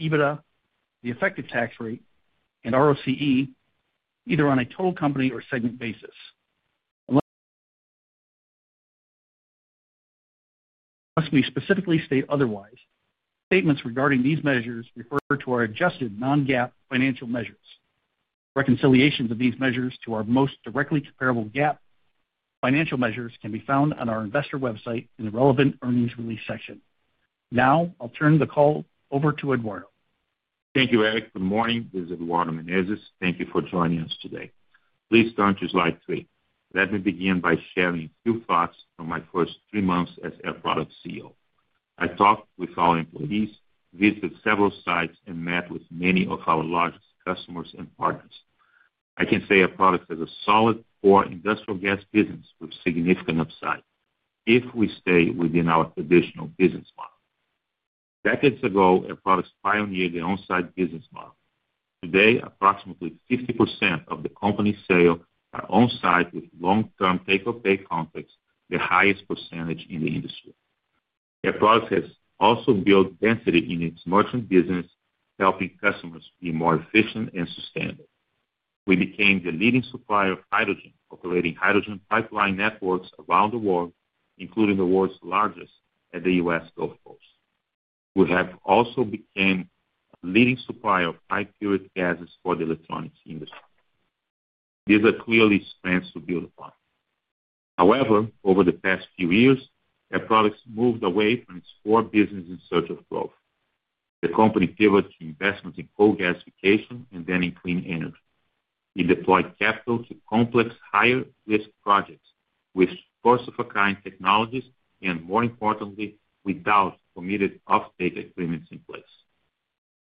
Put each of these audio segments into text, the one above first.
EBITDA, the effective tax rate, and ROCE, either on a total company or segment basis. Unless we specifically state otherwise, statements regarding these measures refer to our adjusted non-GAAP financial measures. Reconciliations of these measures to our most directly comparable GAAP financial measures can be found on our investor website in the relevant earnings release section. Now, I'll turn the call over to Eduardo. Thank you, Eric. Good morning. This is Eduardo Menezes. Thank you for joining us today. Please turn to slide three. Let me begin by sharing a few thoughts from my first three months as Air Products CEO. I talked with our employees, visited several sites, and met with many of our largest customers and partners. I can say Air Products has a solid core industrial gas business with significant upside if we stay within our traditional business model. Decades ago, Air Products pioneered the onsite business model. Today, approximately 50% of the company's sales are onsite with long-term pay-for-pay contracts, the highest percentage in the industry. Air Products has also built density in its merchant business, helping customers be more efficient and sustainable. We became the leading supplier of hydrogen, operating hydrogen pipeline networks around the world, including the world's largest at the U.S. Gulf Coast. We have also become a leading supplier of high-purity gases for the electronics industry. These are clearly strengths to build upon. However, over the past few years, Air Products moved away from its core business in search of growth. The company pivoted to investments in coal gasification and then in clean energy. We deployed capital to complex, higher-risk projects with first-of-a-kind technologies and, more importantly, without committed off-take agreements in place.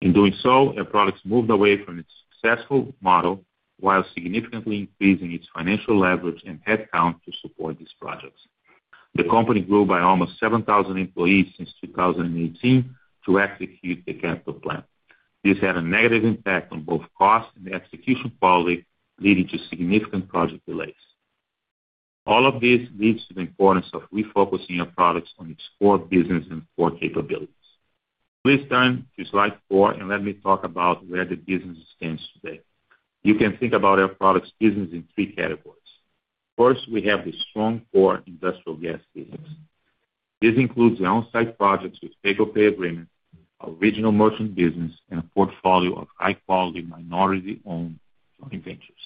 In doing so, Air Products moved away from its successful model while significantly increasing its financial leverage and headcount to support these projects. The company grew by almost 7,000 employees since 2018 to execute the capital plan. This had a negative impact on both cost and execution quality, leading to significant project delays. All of this leads to the importance of refocusing Air Products on its core business and core capabilities. Please turn to slide four and let me talk about where the business stands today. You can think about Air Products' business in three categories. First, we have the strong core industrial gas business. This includes the onsite projects with pay-for-pay agreements, a regional merchant business, and a portfolio of high-quality minority-owned joint ventures.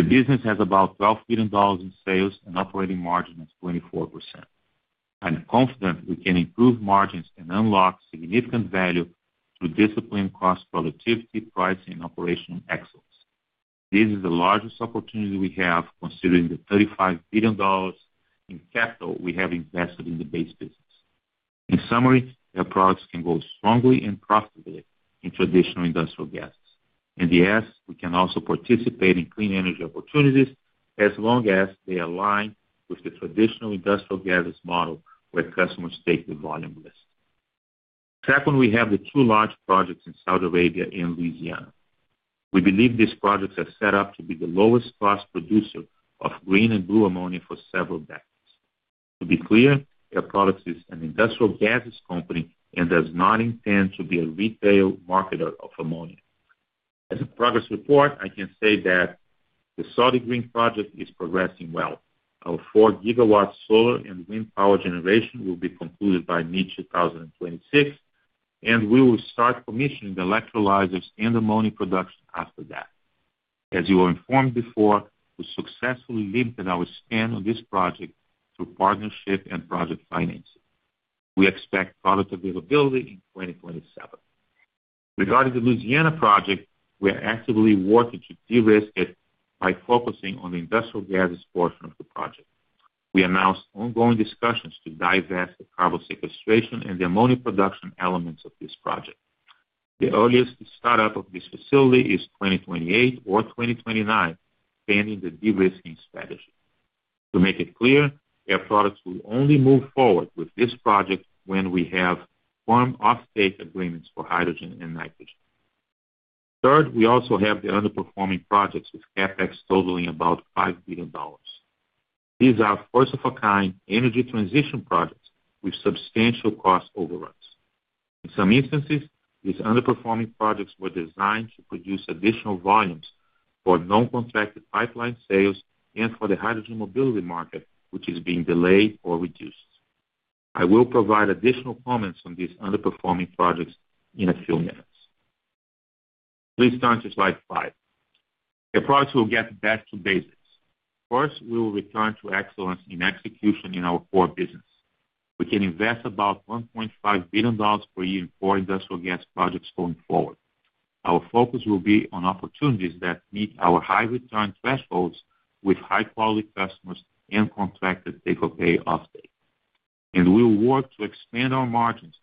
The business has about $12 billion in sales and an operating margin of 24%. I'm confident we can improve margins and unlock significant value through disciplined cost productivity, pricing, and operational excellence. This is the largest opportunity we have, considering the $35 billion in capital we have invested in the base business. In summary, Air Products can grow strongly and profitably in traditional industrial gases. Yes, we can also participate in clean energy opportunities as long as they align with the traditional industrial gases model where customers take the volume risk. Second, we have the two large projects in Saudi Arabia and Louisiana. We believe these projects are set up to be the lowest-cost producer of green and blue ammonia for several decades. To be clear, Air Products is an industrial gases company and does not intend to be a retail marketer of ammonia. As a progress report, I can say that the Saudi Green Project is progressing well. Our four-gigawatt solar and wind power generation will be concluded by mid-2026, and we will start commissioning the electrolyzers and ammonia production after that. As you were informed before, we successfully limited our spend on this project through partnership and project financing. We expect product availability in 2027. Regarding the Louisiana project, we are actively working to de-risk it by focusing on the industrial gases portion of the project. We announced ongoing discussions to divest the carbon sequestration and the ammonia production elements of this project. The earliest start-up of this facility is 2028 or 2029, pending the de-risking strategy. To make it clear, Air Products will only move forward with this project when we have firm off-take agreements for hydrogen and nitrogen. Third, we also have the underperforming projects with CapEx totaling about $5 billion. These are first-of-a-kind energy transition projects with substantial cost overruns. In some instances, these underperforming projects were designed to produce additional volumes for non-contracted pipeline sales and for the hydrogen mobility market, which is being delayed or reduced. I will provide additional comments on these underperforming projects in a few minutes. Please turn to slide five. Air Products will get back to basics. First, we will return to excellence in execution in our core business. We can invest about $1.5 billion per year in core industrial gas projects going forward. Our focus will be on opportunities that meet our high-return thresholds with high-quality customers and contracted pay-for-pay off-take. We will work to expand our margins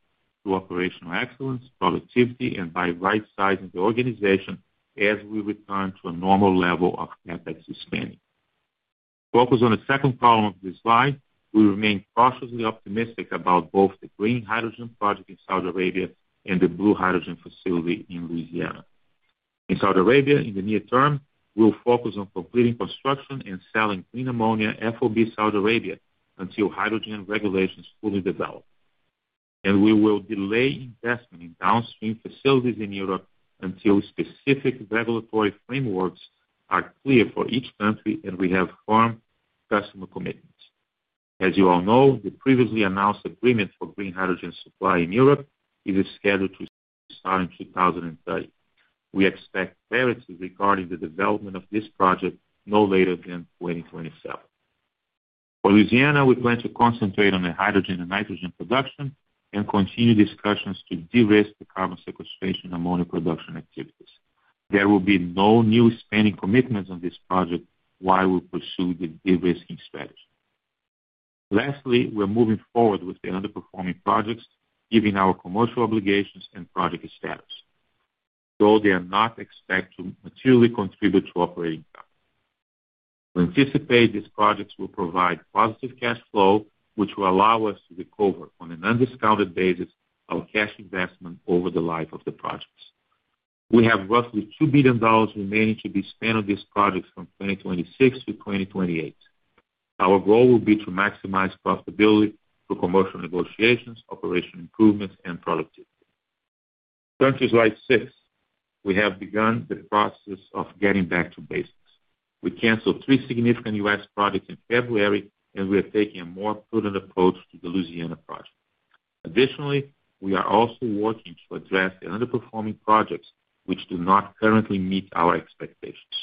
through operational excellence, productivity, and by right-sizing the organization as we return to a normal level of CapEx expanding. Focused on the second column of this slide, we remain cautiously optimistic about both the green hydrogen project in Saudi Arabia and the blue hydrogen facility in Louisiana. In Saudi Arabia, in the near term, we'll focus on completing construction and selling clean ammonia FOB Saudi Arabia until hydrogen regulations fully develop. We will delay investment in downstream facilities in Europe until specific regulatory frameworks are clear for each country, and we have firm customer commitments. As you all know, the previously announced agreement for green hydrogen supply in Europe is scheduled to start in 2030. We expect clarity regarding the development of this project no later than 2027. For Louisiana, we plan to concentrate on the hydrogen and nitrogen production and continue discussions to de-risk the carbon sequestration ammonia production activities. There will be no new spending commitments on this project while we pursue the de-risking strategy. Lastly, we're moving forward with the underperforming projects given our commercial obligations and project status, although they are not expected to materially contribute to operating capital. We anticipate these projects will provide positive cash flow, which will allow us to recover on an undiscounted basis our cash investment over the life of the projects. We have roughly $2 billion remaining to be spent on these projects from 2026-2028. Our goal will be to maximize profitability through commercial negotiations, operational improvements, and productivity. Turn to slide six. We have begun the process of getting back to basics. We canceled three significant U.S. projects in February, and we are taking a more prudent approach to the Louisiana project. Additionally, we are also working to address the underperforming projects which do not currently meet our expectations.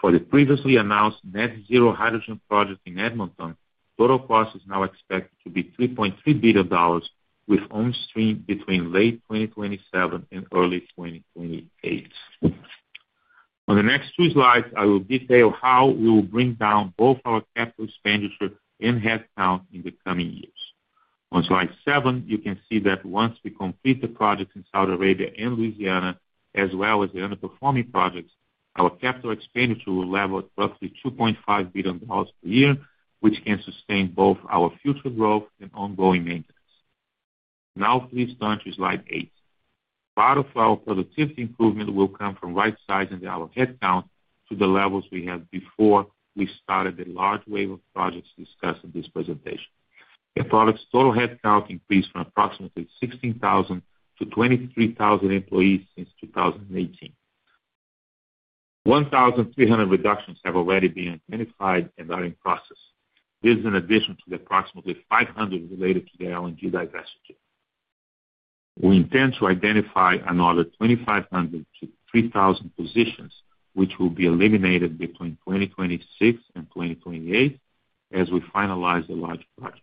For the previously announced net-zero hydrogen project in Edmonton, total cost is now expected to be $3.3 billion with onstream between late 2027 and early 2028. On the next two slides, I will detail how we will bring down both our capital expenditure and headcount in the coming years. On slide seven, you can see that once we complete the projects in Saudi Arabia and Louisiana, as well as the underperforming projects, our capital expenditure will level at roughly $2.5 billion per year, which can sustain both our future growth and ongoing maintenance. Now, please turn to slide eight. Part of our productivity improvement will come from right-sizing our headcount to the levels we had before we started the large wave of projects discussed in this presentation. Air Products' total headcount increased from approximately 16,000 to 23,000 employees since 2018. 1,300 reductions have already been identified and are in process. This is in addition to the approximately 500 related to the LNG diversity. We intend to identify another 2,500-3,000 positions, which will be eliminated between 2026 and 2028 as we finalize the large projects,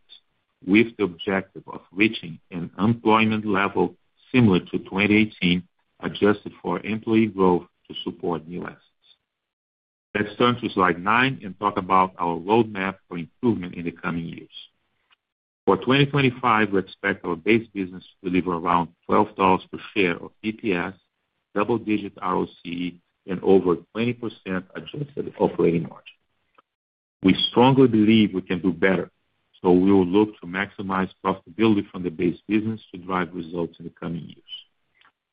with the objective of reaching an unemployment level similar to 2018, adjusted for employee growth to support new assets. Let's turn to slide nine and talk about our roadmap for improvement in the coming years. For 2025, we expect our base business to deliver around $12 per share of EPS, double-digit ROCE, and over 20% adjusted operating margin. We strongly believe we can do better, so we will look to maximize profitability from the base business to drive results in the coming years.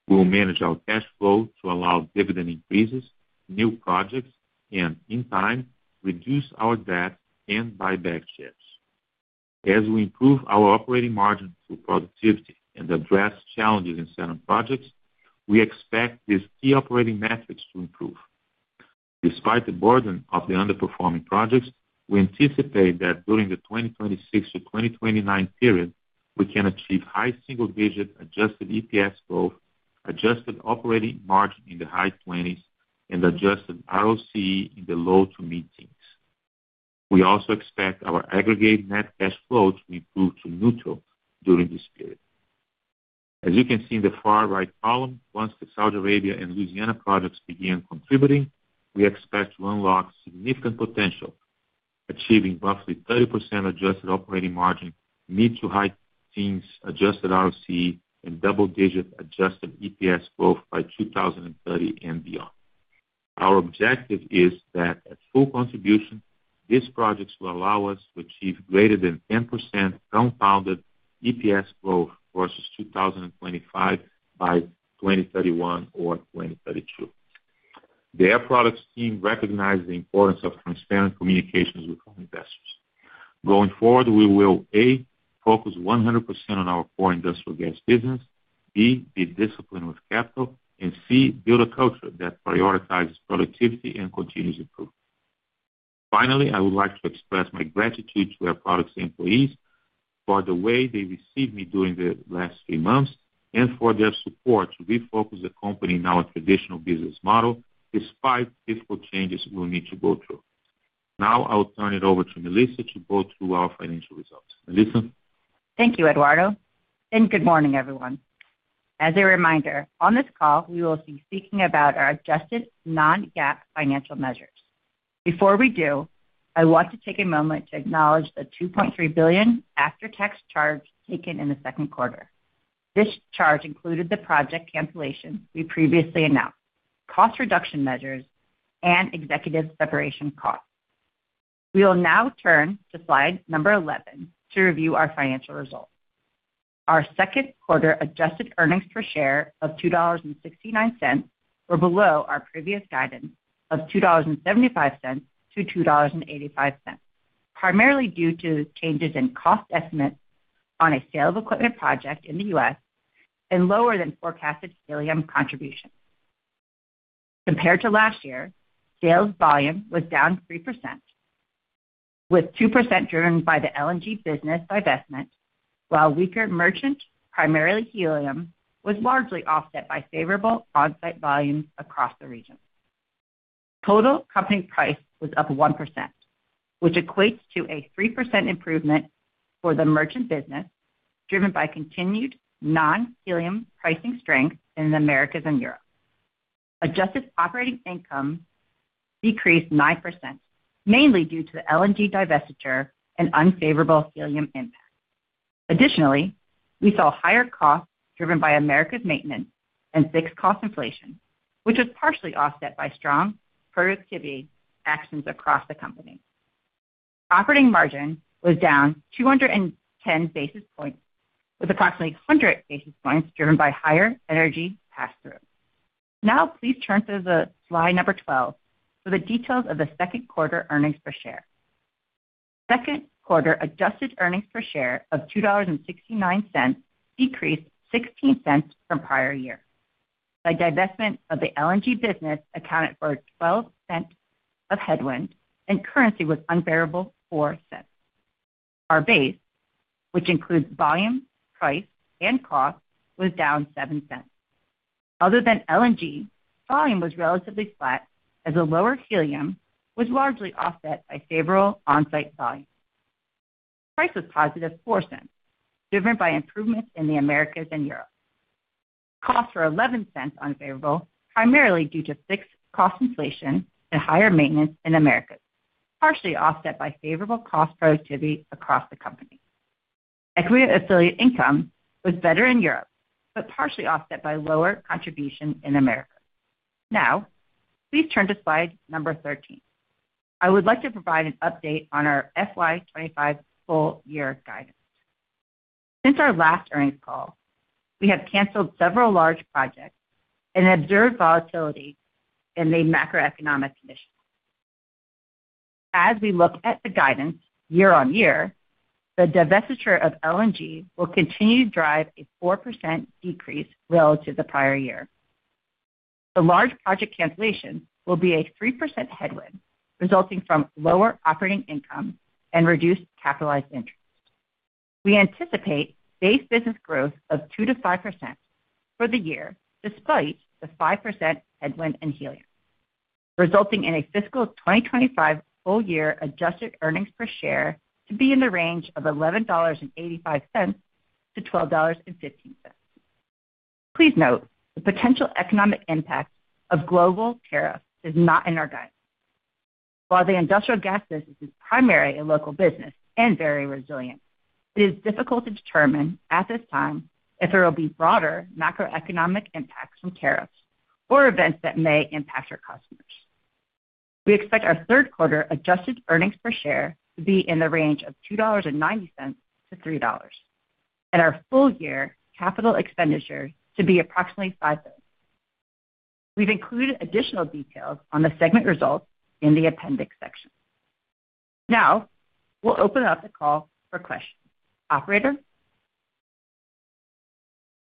We will manage our cash flow to allow dividend increases, new projects, and, in time, reduce our debt and buy back shares. As we improve our operating margin through productivity and address challenges in certain projects, we expect these key operating metrics to improve. Despite the burden of the underperforming projects, we anticipate that during the 2026-2029 period, we can achieve high single-digit adjusted EPS growth, adjusted operating margin in the high 20s, and adjusted ROCE in the low to mid-teens. We also expect our aggregate net cash flow to improve to neutral during this period. As you can see in the far right column, once the Saudi Arabia and Louisiana projects begin contributing, we expect to unlock significant potential, achieving roughly 30% adjusted operating margin, mid to high teens adjusted ROCE, and double-digit adjusted EPS growth by 2030 and beyond. Our objective is that at full contribution, these projects will allow us to achieve greater than 10% compounded EPS growth versus 2025 by 2031 or 2032. The Air Products team recognizes the importance of transparent communications with our investors. Going forward, we will, A, focus 100% on our core industrial gas business, B, be disciplined with capital, and C, build a culture that prioritizes productivity and continues improvement. Finally, I would like to express my gratitude to Air Products' employees for the way they received me during the last three months and for their support to refocus the company now on a traditional business model despite difficult changes we will need to go through. Now, I will turn it over to Melissa to go through our financial results. Melissa. Thank you, Eduardo. Good morning, everyone. As a reminder, on this call, we will be speaking about our adjusted non-GAAP financial measures. Before we do, I want to take a moment to acknowledge the $2.3 billion after-tax charge taken in the second quarter. This charge included the project cancellation we previously announced, cost reduction measures, and executive separation costs. We will now turn to slide number 11 to review our financial results. Our second-quarter adjusted earnings per share of $2.69 were below our previous guidance of $2.75-$2.85, primarily due to changes in cost estimates on a sale of equipment project in the U.S. and lower than forecasted helium contributions. Compared to last year, sales volume was down 3%, with 2% driven by the LNG business divestment, while weaker merchant, primarily helium, was largely offset by favorable onsite volumes across the region. Total company price was up 1%, which equates to a 3% improvement for the merchant business driven by continued non-helium pricing strength in the Americas and Europe. Adjusted operating income decreased 9%, mainly due to the LNG divestiture and unfavorable helium impact. Additionally, we saw higher costs driven by Americas maintenance and fixed cost inflation, which was partially offset by strong productivity actions across the company. Operating margin was down 210 basis points, with approximately 100 basis points driven by higher energy pass-through. Now, please turn to slide number 12 for the details of the second-quarter earnings per share. Second-quarter adjusted earnings per share of $2.69 decreased $0.16 from prior year. Divestment of the LNG business accounted for $0.12 of headwind, and currency was unfavorable $0.04. Our base, which includes volume, price, and cost, was down $0.07. Other than LNG, volume was relatively flat as the lower helium was largely offset by favorable onsite volume. Price was positive $0.04, driven by improvements in the Americas and Europe. Costs were $0.11 unfavorable, primarily due to fixed cost inflation and higher maintenance in the Americas, partially offset by favorable cost productivity across the company. Equity affiliate income was better in Europe, but partially offset by lower contribution in the Americas. Now, please turn to slide number 13. I would like to provide an update on our FY25 full-year guidance. Since our last earnings call, we have canceled several large projects and observed volatility in the macroeconomic conditions. As we look at the guidance year on year, the divestiture of LNG will continue to drive a 4% decrease relative to the prior year. The large project cancellation will be a 3% headwind resulting from lower operating income and reduced capitalized interest. We anticipate base business growth of 2%-5% for the year despite the 5% headwind in helium, resulting in a fiscal 2025 full-year adjusted earnings per share to be in the range of $11.85-$12.15. Please note the potential economic impact of global tariffs is not in our guidance. While the industrial gas business is primarily a local business and very resilient, it is difficult to determine at this time if there will be broader macroeconomic impacts from tariffs or events that may impact our customers. We expect our third-quarter adjusted earnings per share to be in the range of $2.90-$3, and our full-year capital expenditure to be approximately $5 billion. We have included additional details on the segment results in the appendix section. Now, we will open up the call for questions. Operator.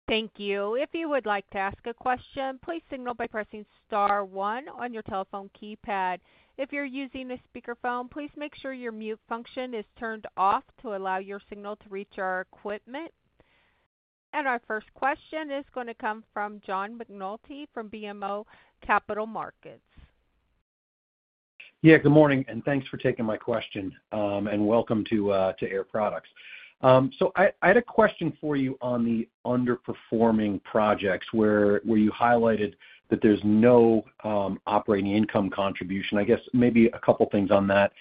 Thank you. If you would like to ask a question, please signal by pressing star one on your telephone keypad. If you are using a speakerphone, please make sure your mute function is turned off to allow your signal to reach our equipment. Our first question is going to come from John McNulty from BMO Capital Markets. Yeah, good morning, and thanks for taking my question, and welcome to Air Products. I had a question for you on the underperforming projects where you highlighted that there's no operating income contribution. I guess maybe a couple of things on that.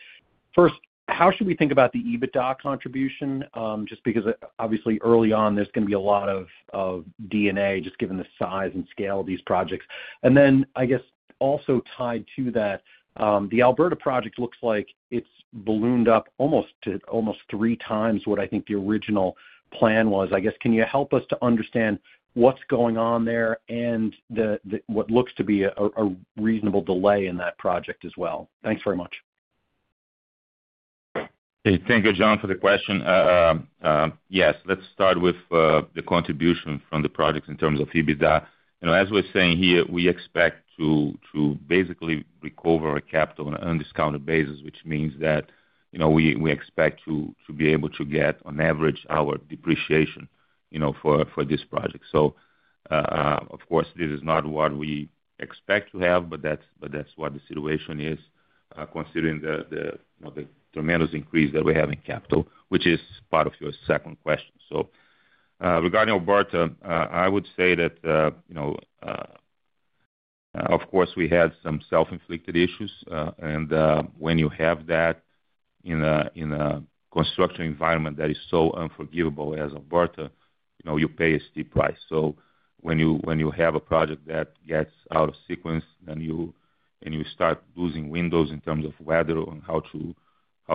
First, how should we think about the EBITDA contribution? Just because obviously early on, there's going to be a lot of DNA just given the size and scale of these projects. I guess also tied to that, the Alberta project looks like it's ballooned up almost three times what I think the original plan was. I guess can you help us to understand what's going on there and what looks to be a reasonable delay in that project as well? Thanks very much. Thank you, John, for the question. Yes, let's start with the contribution from the projects in terms of EBITDA. As we're saying here, we expect to basically recover our capital on an undiscounted basis, which means that we expect to be able to get, on average, our depreciation for this project. Of course, this is not what we expect to have, but that's what the situation is considering the tremendous increase that we have in capital, which is part of your second question. Regarding Alberta, I would say that, of course, we had some self-inflicted issues. When you have that in a construction environment that is so unforgivable as Alberta, you pay a steep price. When you have a project that gets out of sequence and you start losing windows in terms of weather on how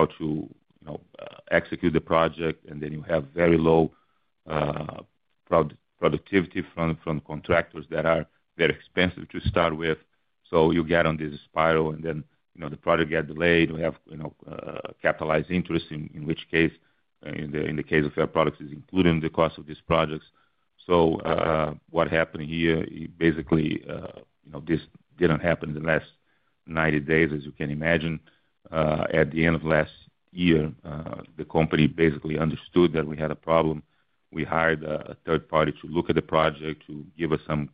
to execute the project, and then you have very low productivity from contractors that are very expensive to start with. You get on this spiral, and then the project gets delayed. We have capitalized interest, in which case, in the case of Air Products, is included in the cost of these projects. What happened here, basically, this did not happen in the last 90 days, as you can imagine. At the end of last year, the company basically understood that we had a problem. We hired a third party to look at the project to give us some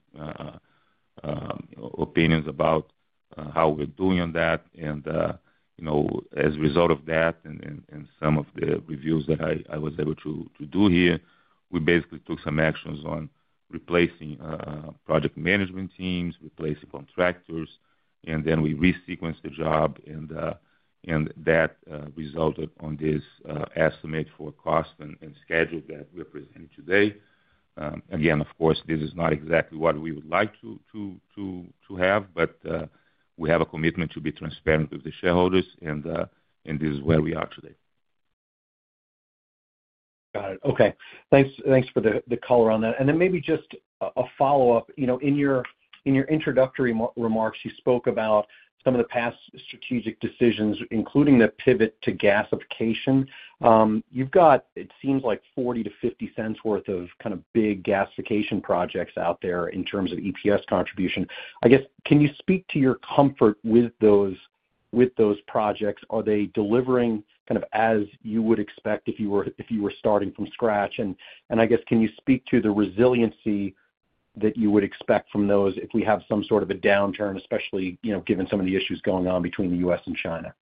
opinions about how we are doing on that. As a result of that and some of the reviews that I was able to do here, we basically took some actions on replacing project management teams, replacing contractors, and then we resequenced the job. That resulted in this estimate for cost and schedule that we are presenting today. Again, of course, this is not exactly what we would like to have, but we have a commitment to be transparent with the shareholders, and this is where we are today. Okay. Thanks for the color on that. Maybe just a follow-up. In your introductory remarks, you spoke about some of the past strategic decisions, including the pivot to gasification. You've got, it seems like, $0.40-$0.50 worth of kind of big gasification projects out there in terms of EPS contribution. I guess can you speak to your comfort with those projects? Are they delivering kind of as you would expect if you were starting from scratch? I guess can you speak to the resiliency that you would expect from those if we have some sort of a downturn, especially given some of the issues going on between the U.S. and China?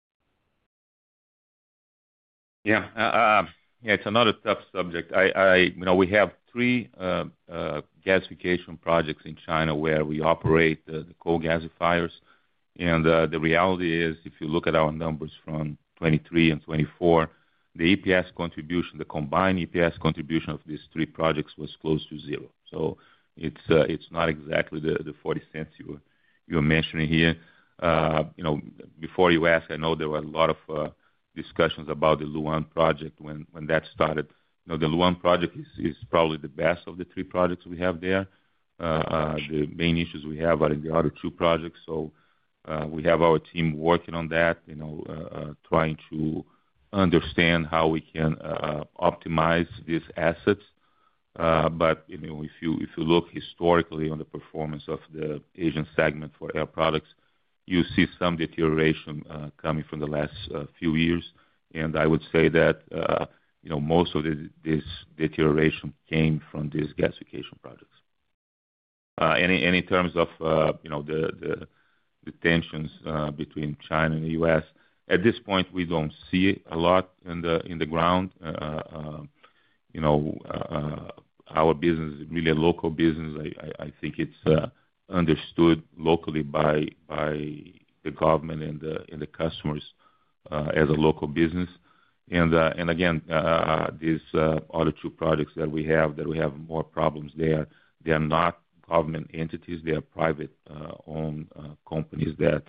Yeah, it's another tough subject. We have three gasification projects in China where we operate the coal gasifiers. The reality is, if you look at our numbers from 2023 and 2024, the EPS contribution, the combined EPS contribution of these three projects was close to zero. It's not exactly the $0.40 you're mentioning here. Before you ask, I know there were a lot of discussions about the Luan project when that started. The Luan project is probably the best of the three projects we have there. The main issues we have are in the other two projects. We have our team working on that, trying to understand how we can optimize these assets. If you look historically on the performance of the Asian segment for Air Products, you see some deterioration coming from the last few years. I would say that most of this deterioration came from these gasification projects. In terms of the tensions between China and the U.S., at this point, we do not see a lot in the ground. Our business is really a local business. I think it is understood locally by the government and the customers as a local business. Again, these other two projects that we have, that we have more problems there, they are not government entities. They are private-owned companies that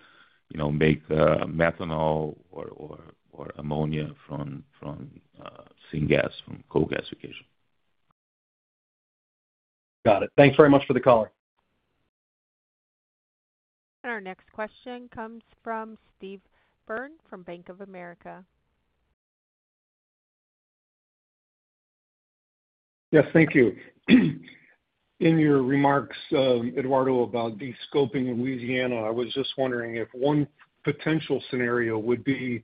make methanol or ammonia from syngas, from coal gasification. Got it. Thanks very much for the color. Our next question comes from Steve Byrne from Bank of America. Yes, thank you. In your remarks, Eduardo, about the scoping in Louisiana, I was just wondering if one potential scenario would be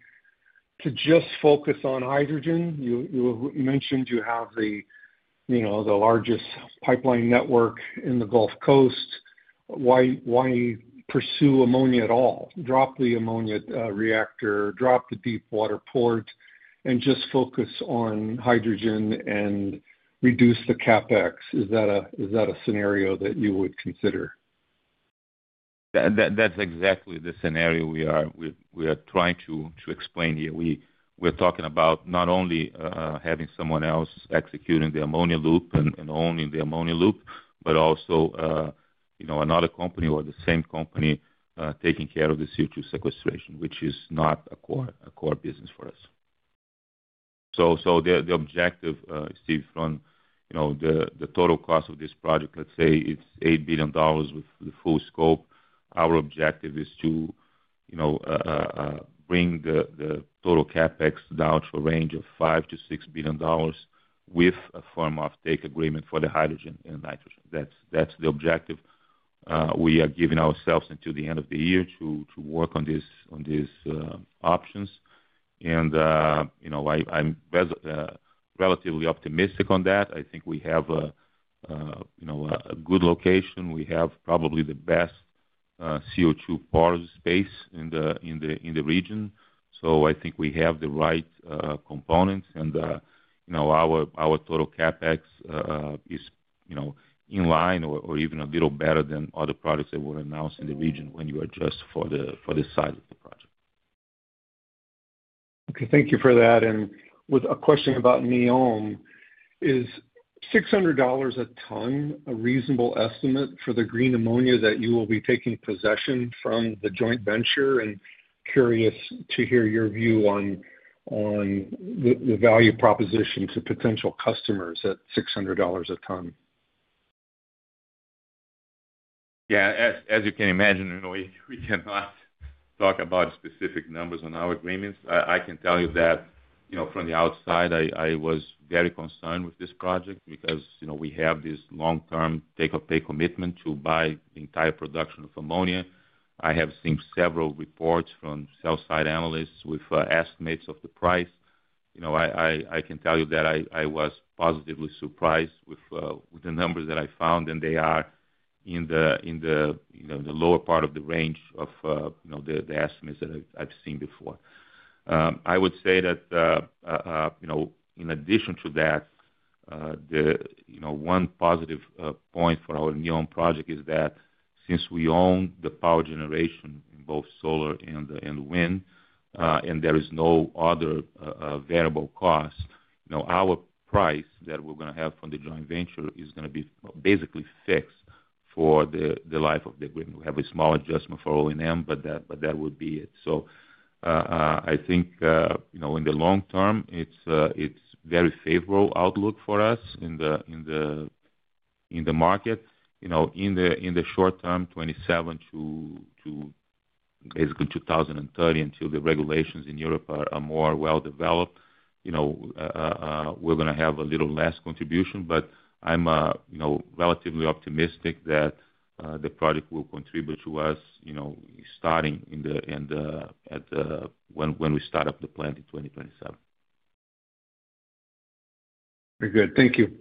to just focus on hydrogen. You mentioned you have the largest pipeline network in the Gulf Coast. Why pursue ammonia at all? Drop the ammonia reactor, drop the deep water port, and just focus on hydrogen and reduce the CapEx. Is that a scenario that you would consider? That's exactly the scenario we are trying to explain here. We're talking about not only having someone else executing the ammonia loop and owning the ammonia loop, but also another company or the same company taking care of the CO2 sequestration, which is not a core business for us. The objective, Steve, from the total cost of this project, let's say it's $8 billion with the full scope, our objective is to bring the total CapEx down to a range of $5 billion-$6 billion with a firm offtake agreement for the hydrogen and nitrogen. That's the objective. We are giving ourselves until the end of the year to work on these options. I'm relatively optimistic on that. I think we have a good location. We have probably the best CO2 power space in the region. I think we have the right components, and our total CapEx is in line or even a little better than other products that were announced in the region when you adjust for the size of the project. Okay. Thank you for that. With a question about NEOM, is $600 a ton a reasonable estimate for the green ammonia that you will be taking possession from the joint venture? Curious to hear your view on the value proposition to potential customers at $600 a ton. Yeah. As you can imagine, we cannot talk about specific numbers on our agreements. I can tell you that from the outside, I was very concerned with this project because we have this long-term take-or-pay commitment to buy the entire production of ammonia. I have seen several reports from sell-side analysts with estimates of the price. I can tell you that I was positively surprised with the numbers that I found, and they are in the lower part of the range of the estimates that I've seen before. I would say that in addition to that, one positive point for our NEOM project is that since we own the power generation in both solar and wind, and there is no other variable cost, our price that we're going to have from the joint venture is going to be basically fixed for the life of the agreement. We have a small adjustment for O&M, but that would be it. I think in the long term, it's a very favorable outlook for us in the market. In the short term, 2027 to basically 2030, until the regulations in Europe are more well developed, we're going to have a little less contribution. I'm relatively optimistic that the project will contribute to us starting at when we start up the plant in 2027. Very good. Thank you.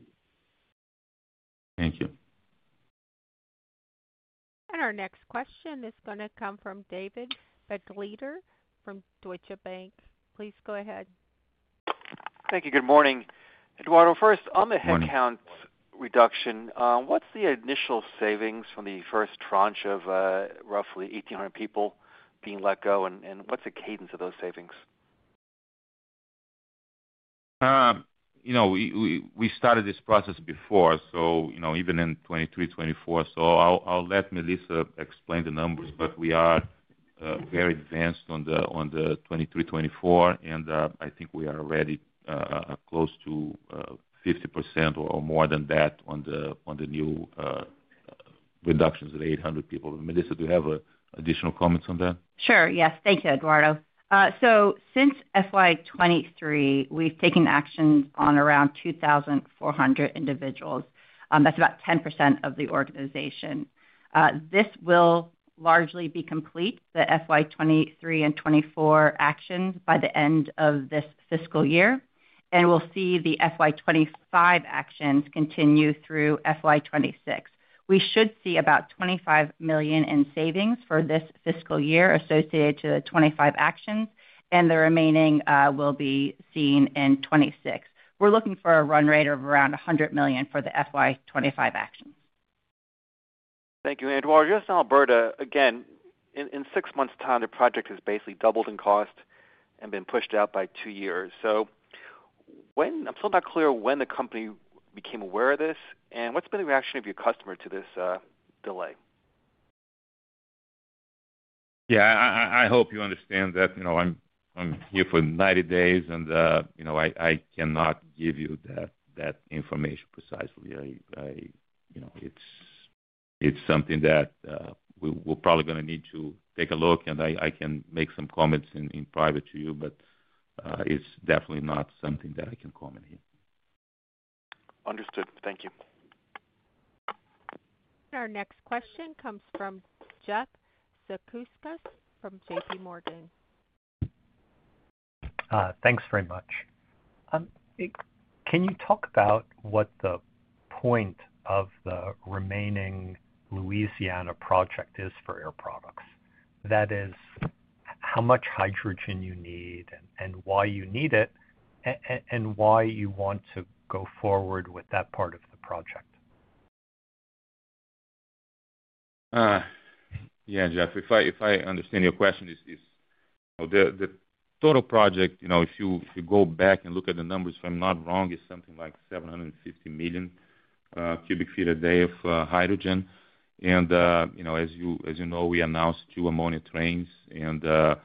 Thank you. Our next question is going to come from David Begleiter from Deutsche Bank. Please go ahead. Thank you. Good morning, Eduardo. First, on the headcount reduction, what's the initial savings from the first tranche of roughly 1,800 people being let go? What's the cadence of those savings? We started this process before, so even in 2023, 2024. I'll let Melissa explain the numbers, but we are very advanced on the 2023, 2024, and I think we are already close to 50% or more than that on the new reductions of 800 people. Melissa, do you have additional comments on that? Sure. Yes. Thank you, Eduardo. Since FY2023, we've taken actions on around 2,400 individuals. That's about 10% of the organization. This will largely be complete, the FY2023 and 2024 actions, by the end of this fiscal year. We will see the FY2025 actions continue through FY2026. We should see about $25 million in savings for this fiscal year associated to the 2025 actions, and the remaining will be seen in 2026. We're looking for a run rate of around $100 million for the FY2025 actions. Thank you. While you're in Alberta, again, in six months' time, the project has basically doubled in cost and been pushed out by two years. I'm still not clear when the company became aware of this, and what's been the reaction of your customer to this delay? Yeah. I hope you understand that I'm here for 90 days, and I cannot give you that information precisely. It's something that we're probably going to need to take a look, and I can make some comments in private to you, but it's definitely not something that I can comment here. Understood. Thank you. Our next question comes from Jeff Zekauskas from JPMorgan. Thanks very much. Can you talk about what the point of the remaining Louisiana project is for Air Products? That is, how much hydrogen you need and why you need it and why you want to go forward with that part of the project. Yeah, Jeff, if I understand your question, the total project, if you go back and look at the numbers, if I'm not wrong, it's something like 750 million cubic feet a day of hydrogen. And as you know, we announced two ammonia trains. And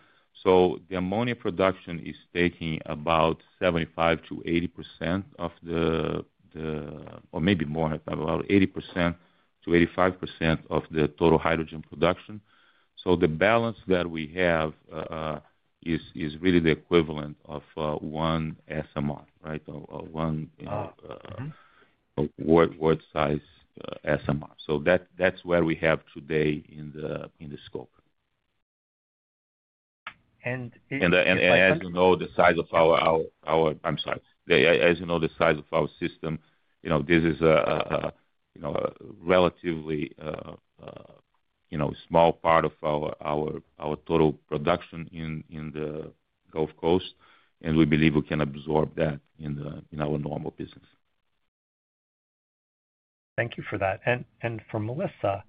so the ammonia production is taking about 75%-80% of the, or maybe more, about 80%-85% of the total hydrogen production. So the balance that we have is really the equivalent of one SMR, right? One world-size SMR. So that's where we have today in the scope. And as you know, the size of our—I'm sorry. As you know, the size of our system, this is a relatively small part of our total production in the Gulf Coast, and we believe we can absorb that in our normal business. Thank you for that. For Melissa,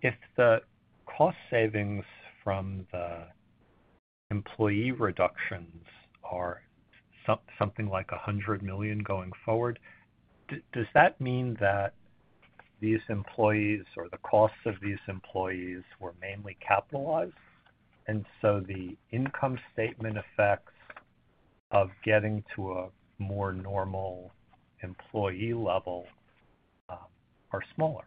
if the cost savings from the employee reductions are something like $100 million going forward, does that mean that these employees or the costs of these employees were mainly capitalized? The income statement effects of getting to a more normal employee level are smaller?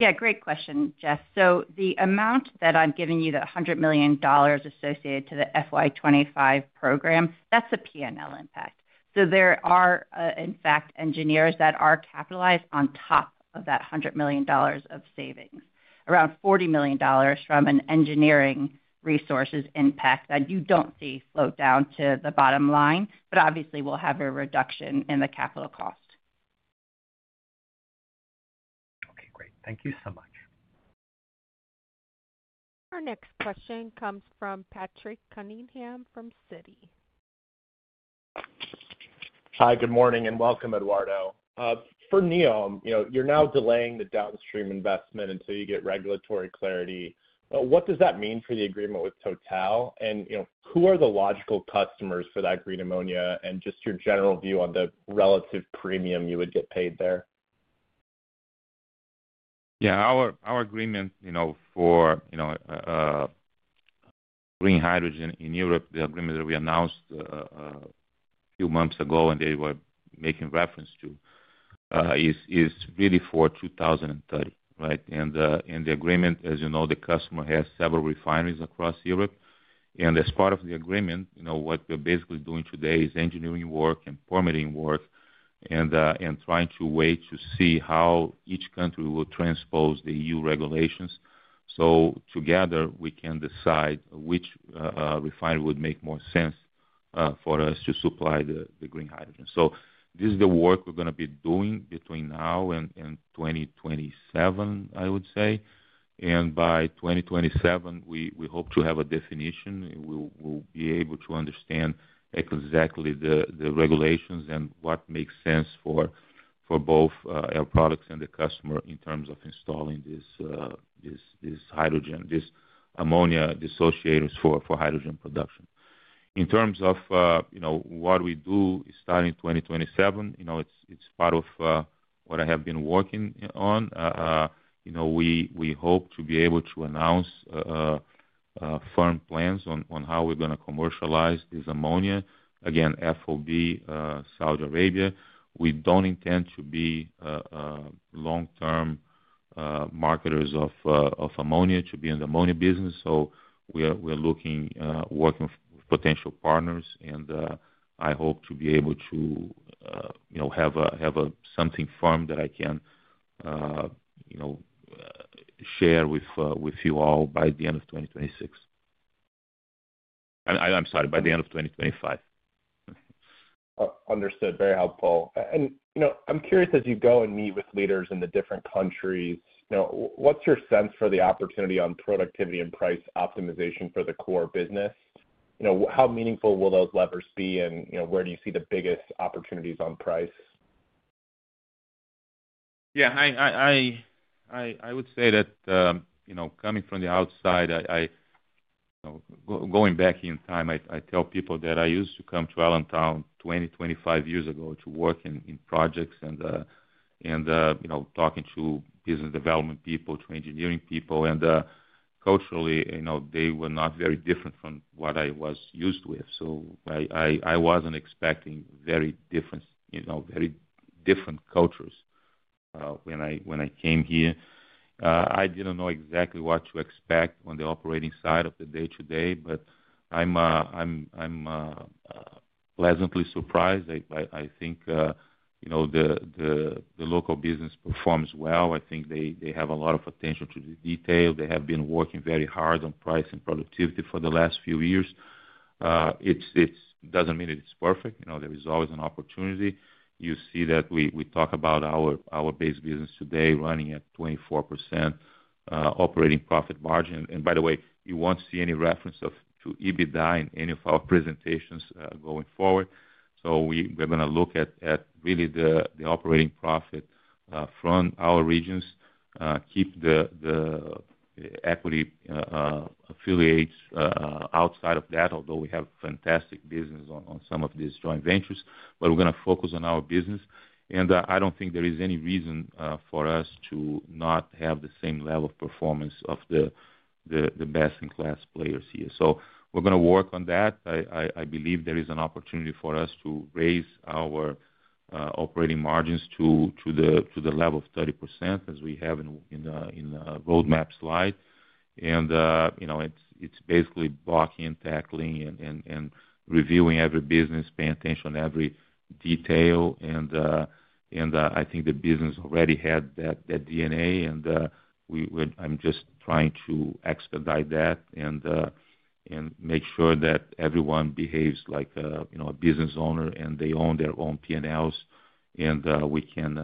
Yeah. Great question, Jeff. The amount that I'm giving you, the $100 million associated to the FY2025 program, that's a P&L impact. There are, in fact, engineers that are capitalized on top of that $100 million of savings, around $40 million from an engineering resources impact that you do not see float down to the bottom line, but obviously, we will have a reduction in the capital cost. Okay. Great. Thank you so much. Our next question comes from Patrick Cunningham from Citi. Hi. Good morning and welcome, Eduardo. For NEOM, you are now delaying the downstream investment until you get regulatory clarity. What does that mean for the agreement with TotalEnergies? And who are the logical customers for that green ammonia and just your general view on the relative premium you would get paid there? Yeah. Our agreement for green hydrogen in Europe, the agreement that we announced a few months ago and they were making reference to, is really for 2030, right? The agreement, as you know, the customer has several refineries across Europe. As part of the agreement, what we're basically doing today is engineering work and permitting work and trying to wait to see how each country will transpose the EU regulations. Together, we can decide which refinery would make more sense for us to supply the green hydrogen. This is the work we're going to be doing between now and 2027, I would say. By 2027, we hope to have a definition. We'll be able to understand exactly the regulations and what makes sense for both Air Products and the customer in terms of installing this hydrogen, this ammonia dissociators for hydrogen production. In terms of what we do starting 2027, it's part of what I have been working on. We hope to be able to announce firm plans on how we're going to commercialize this ammonia. Again, FOB, Saudi Arabia. We don't intend to be long-term marketers of ammonia, to be in the ammonia business. We are looking, working with potential partners, and I hope to be able to have something firm that I can share with you all by the end of 2026. I'm sorry, by the end of 2025. Understood. Very helpful. I'm curious, as you go and meet with leaders in the different countries, what's your sense for the opportunity on productivity and price optimization for the core business? How meaningful will those levers be, and where do you see the biggest opportunities on price? Yeah. I would say that coming from the outside, going back in time, I tell people that I used to come to Allentown 20, 25 years ago to work in projects and talking to business development people, to engineering people. Culturally, they were not very different from what I was used to with. I was not expecting very different cultures when I came here. I did not know exactly what to expect on the operating side of the day-to-day, but I am pleasantly surprised. I think the local business performs well. I think they have a lot of attention to the detail. They have been working very hard on price and productivity for the last few years. It does not mean it is perfect. There is always an opportunity. You see that we talk about our base business today running at 24% operating profit margin. By the way, you will not see any reference to EBITDA in any of our presentations going forward. We are going to look at really the operating profit from our regions, keep the equity affiliates outside of that, although we have fantastic business on some of these joint ventures, but we are going to focus on our business. I do not think there is any reason for us to not have the same level of performance of the best-in-class players here. We are going to work on that. I believe there is an opportunity for us to raise our operating margins to the level of 30% as we have in the roadmap slide. It is basically blocking, tackling, and reviewing every business, paying attention to every detail. I think the business already had that DNA, and I'm just trying to expedite that and make sure that everyone behaves like a business owner and they own their own P&Ls and we can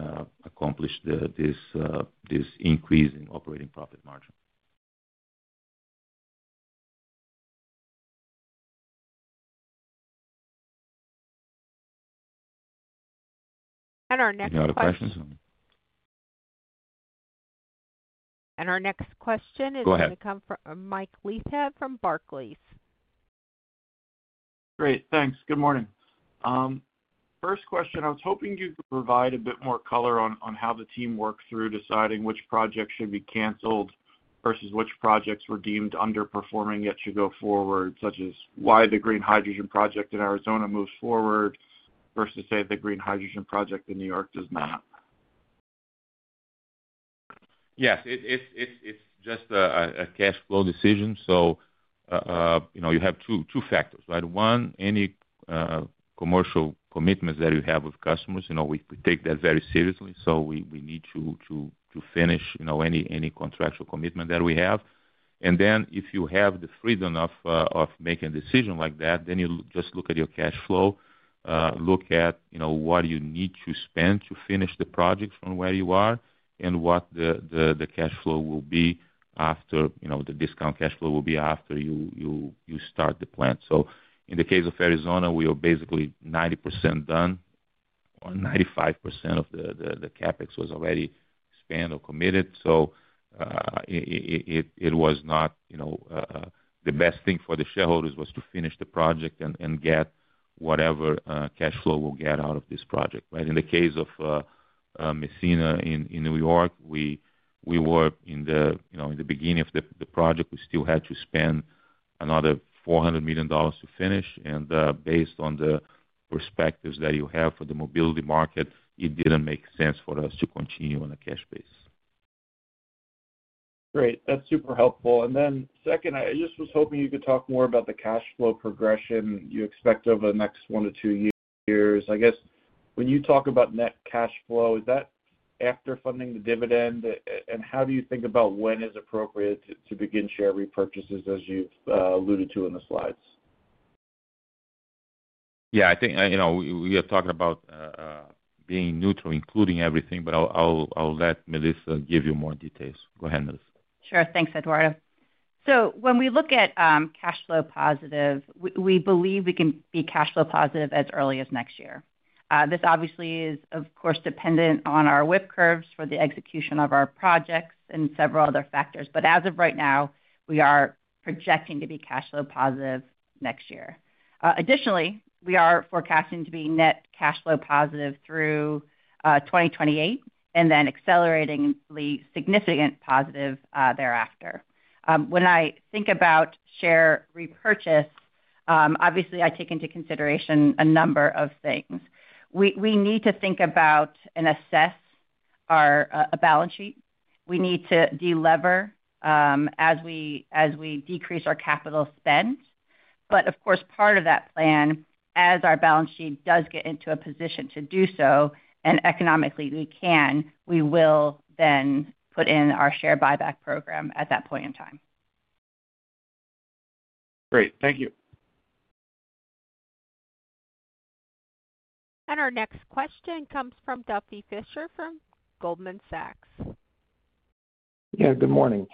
accomplish this increase in operating profit margin. Our next question is going to come from Mike Leathers from Barclays. Great. Thanks. Good morning. First question, I was hoping you could provide a bit more color on how the team worked through deciding which projects should be canceled versus which projects were deemed underperforming yet should go forward, such as why the green hydrogen project in Arizona moves forward versus, say, the green hydrogen project in New York does not. Yes. It's just a cash flow decision. You have two factors, right? One, any commercial commitments that you have with customers. We take that very seriously. We need to finish any contractual commitment that we have. If you have the freedom of making a decision like that, you just look at your cash flow, look at what you need to spend to finish the project from where you are and what the cash flow will be after the discount cash flow will be after you start the plant. In the case of Arizona, we were basically 90% done or 95% of the CapEx was already spent or committed. It was not the best thing for the shareholders was to finish the project and get whatever cash flow we'll get out of this project, right? In the case of Messina in New York, we were in the beginning of the project. We still had to spend another $400 million to finish. Based on the perspectives that you have for the mobility market, it did not make sense for us to continue on a cash basis. Great. That is super helpful. I just was hoping you could talk more about the cash flow progression you expect over the next one to two years. I guess when you talk about net cash flow, is that after funding the dividend? How do you think about when is appropriate to begin share repurchases as you have alluded to in the slides? I think we are talking about being neutral, including everything, but I will let Melissa give you more details. Go ahead, Melissa. Sure. Thanks, Eduardo. When we look at cash flow positive, we believe we can be cash flow positive as early as next year. This obviously is, of course, dependent on our WIP curves for the execution of our projects and several other factors. As of right now, we are projecting to be cash flow positive next year. Additionally, we are forecasting to be net cash flow positive through 2028 and then acceleratingly significant positive thereafter. When I think about share repurchase, obviously, I take into consideration a number of things. We need to think about and assess our balance sheet. We need to delever as we decrease our capital spend. Of course, part of that plan, as our balance sheet does get into a position to do so and economically we can, we will then put in our share buyback program at that point in time. Great. Thank you. Our next question comes from Duffy Fischer from Goldman Sachs. Yeah. Good morning.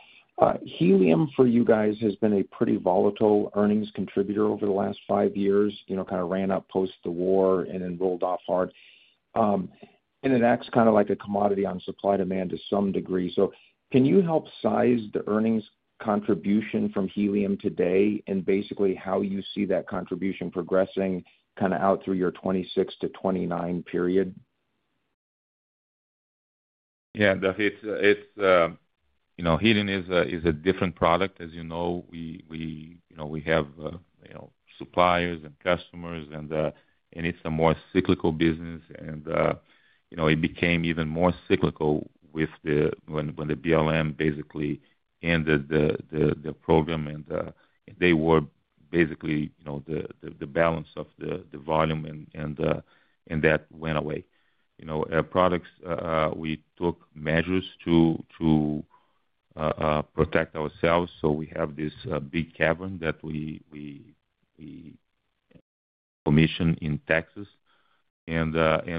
Helium for you guys has been a pretty volatile earnings contributor over the last five years, kind of ran up post the war and then rolled off hard. It acts kind of like a commodity on supply demand to some degree. Can you help size the earnings contribution from helium today and basically how you see that contribution progressing kind of out through your 2026 to 2029 period? Yeah. Helium is a different product. As you know, we have suppliers and customers, and it's a more cyclical business. It became even more cyclical when the BLM basically ended the program, and they were basically the balance of the volume, and that went away. Products, we took measures to protect ourselves. We have this big cavern that we commissioned in Texas, and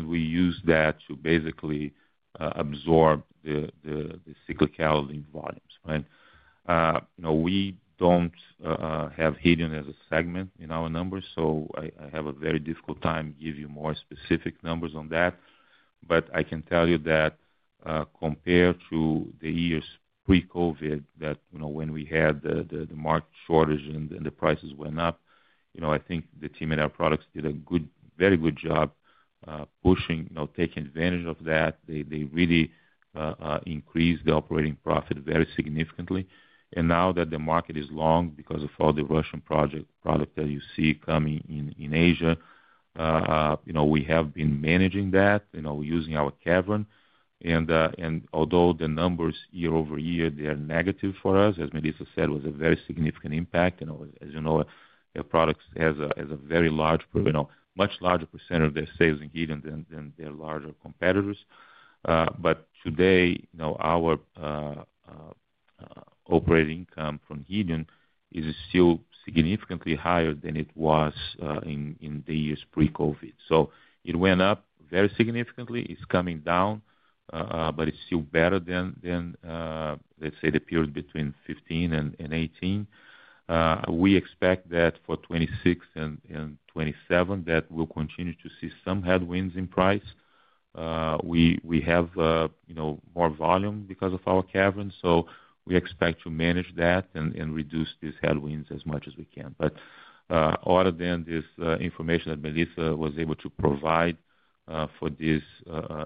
we use that to basically absorb the cyclicality volumes, right? We don't have helium as a segment in our numbers, so I have a very difficult time giving you more specific numbers on that. I can tell you that compared to the years pre-COVID, when we had the market shortage and the prices went up, I think the team at Air Products did a very good job pushing, taking advantage of that. They really increased the operating profit very significantly. Now that the market is long because of all the Russian product that you see coming in Asia, we have been managing that using our cavern. Although the numbers year over year, they are negative for us, as Melissa said, it was a very significant impact. As you know, Air Products has a much larger percentage of their sales in helium than their larger competitors. Today, our operating income from helium is still significantly higher than it was in the years pre-COVID. It went up very significantly. It is coming down, but it is still better than, let us say, the period between 2015 and 2018. We expect that for 2026 and 2027, we will continue to see some headwinds in price. We have more volume because of our cavern, so we expect to manage that and reduce these headwinds as much as we can. Other than this information that Melissa was able to provide for this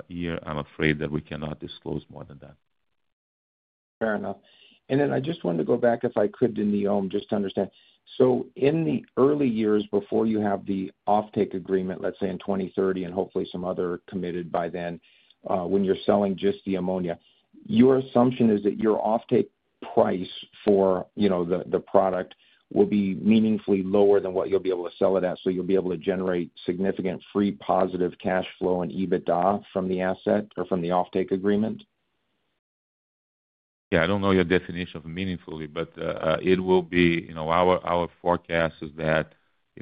year, I am afraid that we cannot disclose more than that. Fair enough. I just wanted to go back, if I could, to NEOM just to understand. In the early years before you have the offtake agreement, let's say in 2030, and hopefully some other committed by then, when you're selling just the ammonia, your assumption is that your offtake price for the product will be meaningfully lower than what you'll be able to sell it at, so you'll be able to generate significant free positive cash flow and EBITDA from the asset or from the offtake agreement? Yeah. I don't know your definition of meaningfully, but it will be our forecast is that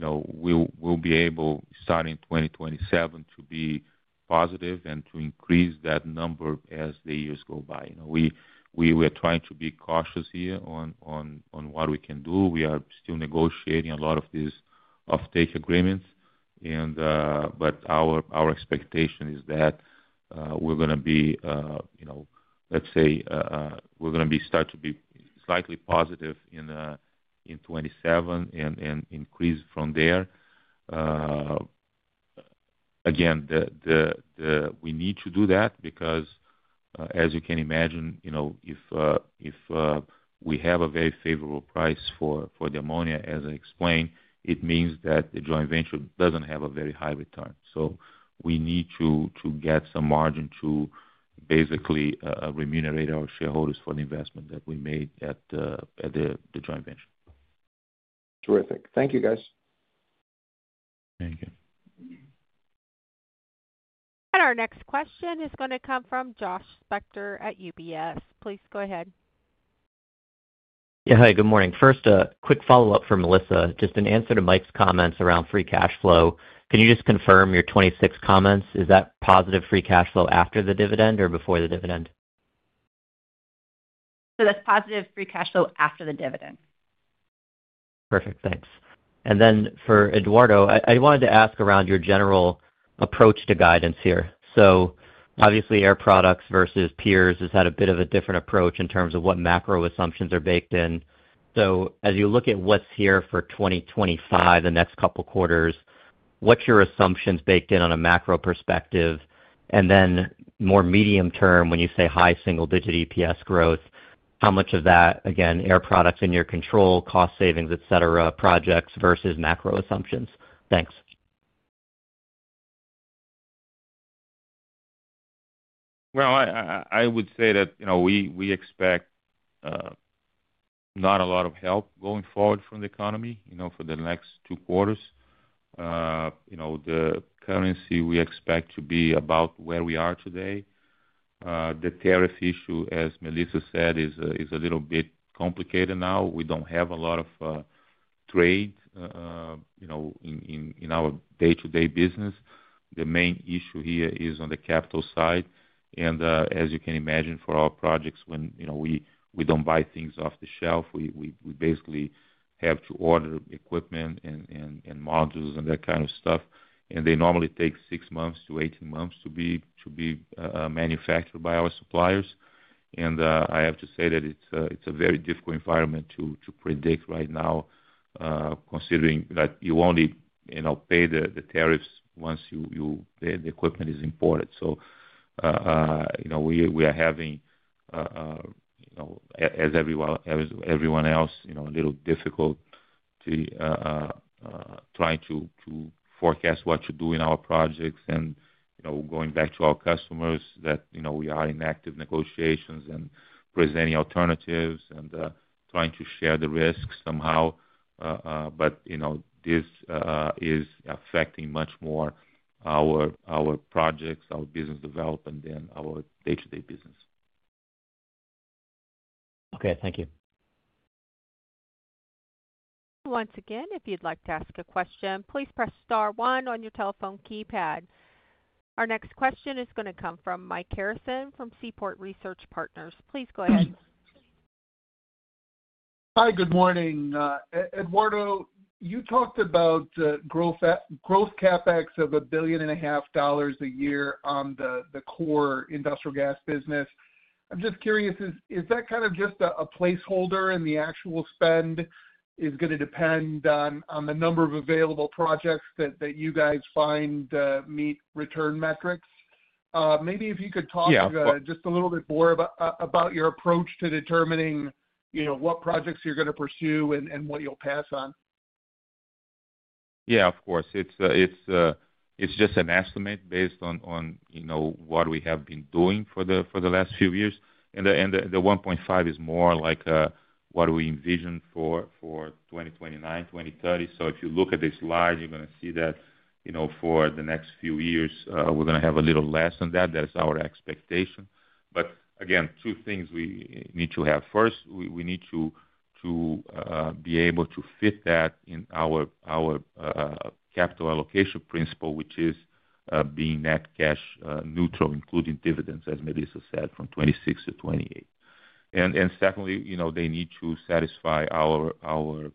we'll be able starting 2027 to be positive and to increase that number as the years go by. We are trying to be cautious here on what we can do. We are still negotiating a lot of these offtake agreements, but our expectation is that we're going to be, let's say, we're going to start to be slightly positive in 2027 and increase from there. Again, we need to do that because, as you can imagine, if we have a very favorable price for the ammonia, as I explained, it means that the joint venture doesn't have a very high return. So we need to get some margin to basically remunerate our shareholders for the investment that we made at the joint venture. Terrific. Thank you, guys. Thank you. Our next question is going to come from Josh Spector at UBS. Please go ahead. Yeah. Hi. Good morning. First, a quick follow-up for Melissa, just in answer to Mike's comments around free cash flow. Can you just confirm your 2026 comments? Is that positive free cash flow after the dividend or before the dividend? That is positive free cash flow after the dividend. Perfect. Thanks. For Eduardo, I wanted to ask around your general approach to guidance here. Obviously, Air Products versus peers has had a bit of a different approach in terms of what macro assumptions are baked in. As you look at what is here for 2025, the next couple of quarters, what are your assumptions baked in on a macro perspective? More medium-term, when you say high single-digit EPS growth, how much of that, again, Air Products in your control, cost savings, etc., projects versus macro assumptions? Thanks. I would say that we expect not a lot of help going forward from the economy for the next two quarters. The currency, we expect to be about where we are today. The tariff issue, as Melissa said, is a little bit complicated now. We do not have a lot of trade in our day-to-day business. The main issue here is on the capital side. As you can imagine, for our projects, when we do not buy things off the shelf, we basically have to order equipment and modules and that kind of stuff. They normally take 6-18 months to be manufactured by our suppliers. I have to say that it is a very difficult environment to predict right now, considering that you only pay the tariffs once the equipment is imported. We are having, as everyone else, a little difficulty trying to forecast what to do in our projects. Going back to our customers, we are in active negotiations and presenting alternatives and trying to share the risk somehow. This is affecting much more our projects, our business development, and our day-to-day business. Okay. Thank you. Once again, if you'd like to ask a question, please press star one on your telephone keypad. Our next question is going to come from Mike Garrison from Seaport Research Partners. Please go ahead. Hi. Good morning. Eduardo, you talked about growth CapEx of $1.5 billion a year on the core industrial gas business. I'm just curious, is that kind of just a placeholder and the actual spend is going to depend on the number of available projects that you guys find meet return metrics? Maybe if you could talk just a little bit more about your approach to determining what projects you're going to pursue and what you'll pass on. Yeah, of course. It's just an estimate based on what we have been doing for the last few years. The $1.5 billion is more like what we envision for 2029, 2030. If you look at this slide, you're going to see that for the next few years, we're going to have a little less than that. That's our expectation. Again, two things we need to have. First, we need to be able to fit that in our capital allocation principle, which is being net cash neutral, including dividends, as Melissa said, from 2026 to 2028. Secondly, they need to satisfy our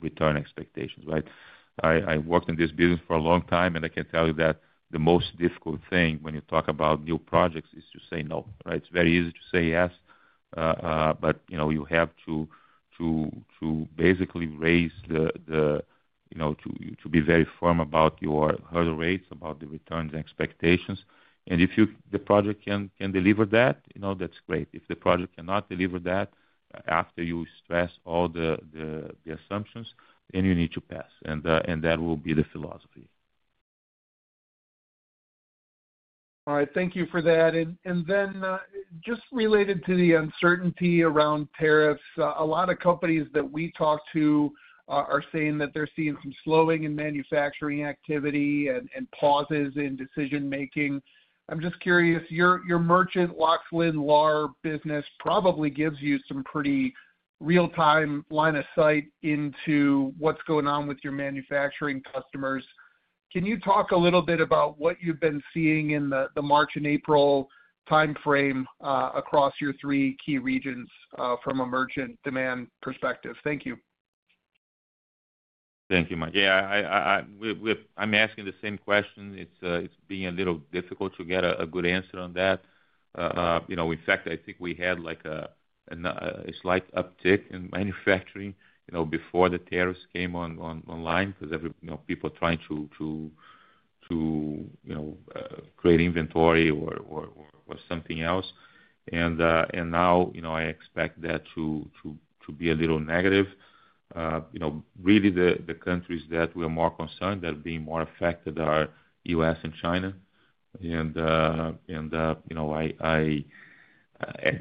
return expectations, right? I worked in this business for a long time, and I can tell you that the most difficult thing when you talk about new projects is to say no, right? It's very easy to say yes, but you have to basically raise the to be very firm about your hurdle rates, about the returns expectations. If the project can deliver that, that's great. If the project cannot deliver that after you stress all the assumptions, then you need to pass. That will be the philosophy. All right. Thank you for that. Just related to the uncertainty around tariffs, a lot of companies that we talk to are saying that they're seeing some slowing in manufacturing activity and pauses in decision-making. I'm just curious, your merchant LOX LIN LAR business probably gives you some pretty real-time line of sight into what's going on with your manufacturing customers. Can you talk a little bit about what you've been seeing in the March and April timeframe across your three key regions from a merchant demand perspective? Thank you. Thank you, Mike. Yeah. I'm asking the same question. It's being a little difficult to get a good answer on that. In fact, I think we had a slight uptick in manufacturing before the tariffs came online because people were trying to create inventory or something else. Now I expect that to be a little negative. Really, the countries that we are more concerned that are being more affected are U.S. and China.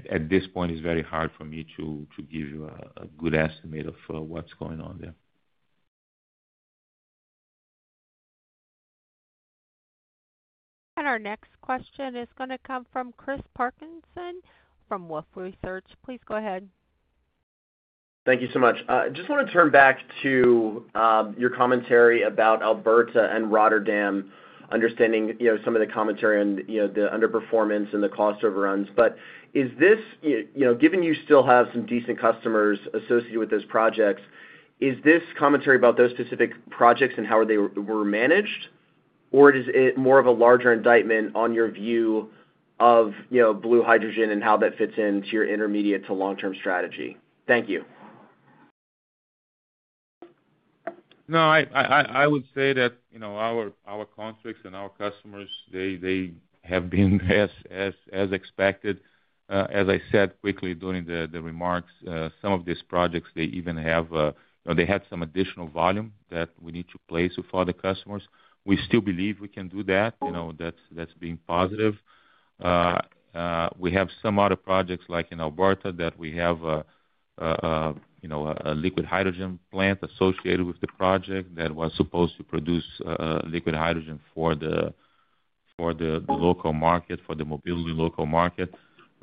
At this point, it's very hard for me to give you a good estimate of what's going on there. Our next question is going to come from Chris Parkinson from Wolf Research. Please go ahead. Thank you so much. I just want to turn back to your commentary about Alberta and Rotterdam, understanding some of the commentary on the underperformance and the cost overruns. Given you still have some decent customers associated with those projects, is this commentary about those specific projects and how they were managed, or is it more of a larger indictment on your view of blue hydrogen and how that fits into your intermediate to long-term strategy? Thank you. No, I would say that our conflicts and our customers, they have been as expected. As I said quickly during the remarks, some of these projects, they even have they had some additional volume that we need to place for the customers. We still believe we can do that. That's being positive. We have some other projects like in Alberta that we have a liquid hydrogen plant associated with the project that was supposed to produce liquid hydrogen for the local market, for the mobility local market.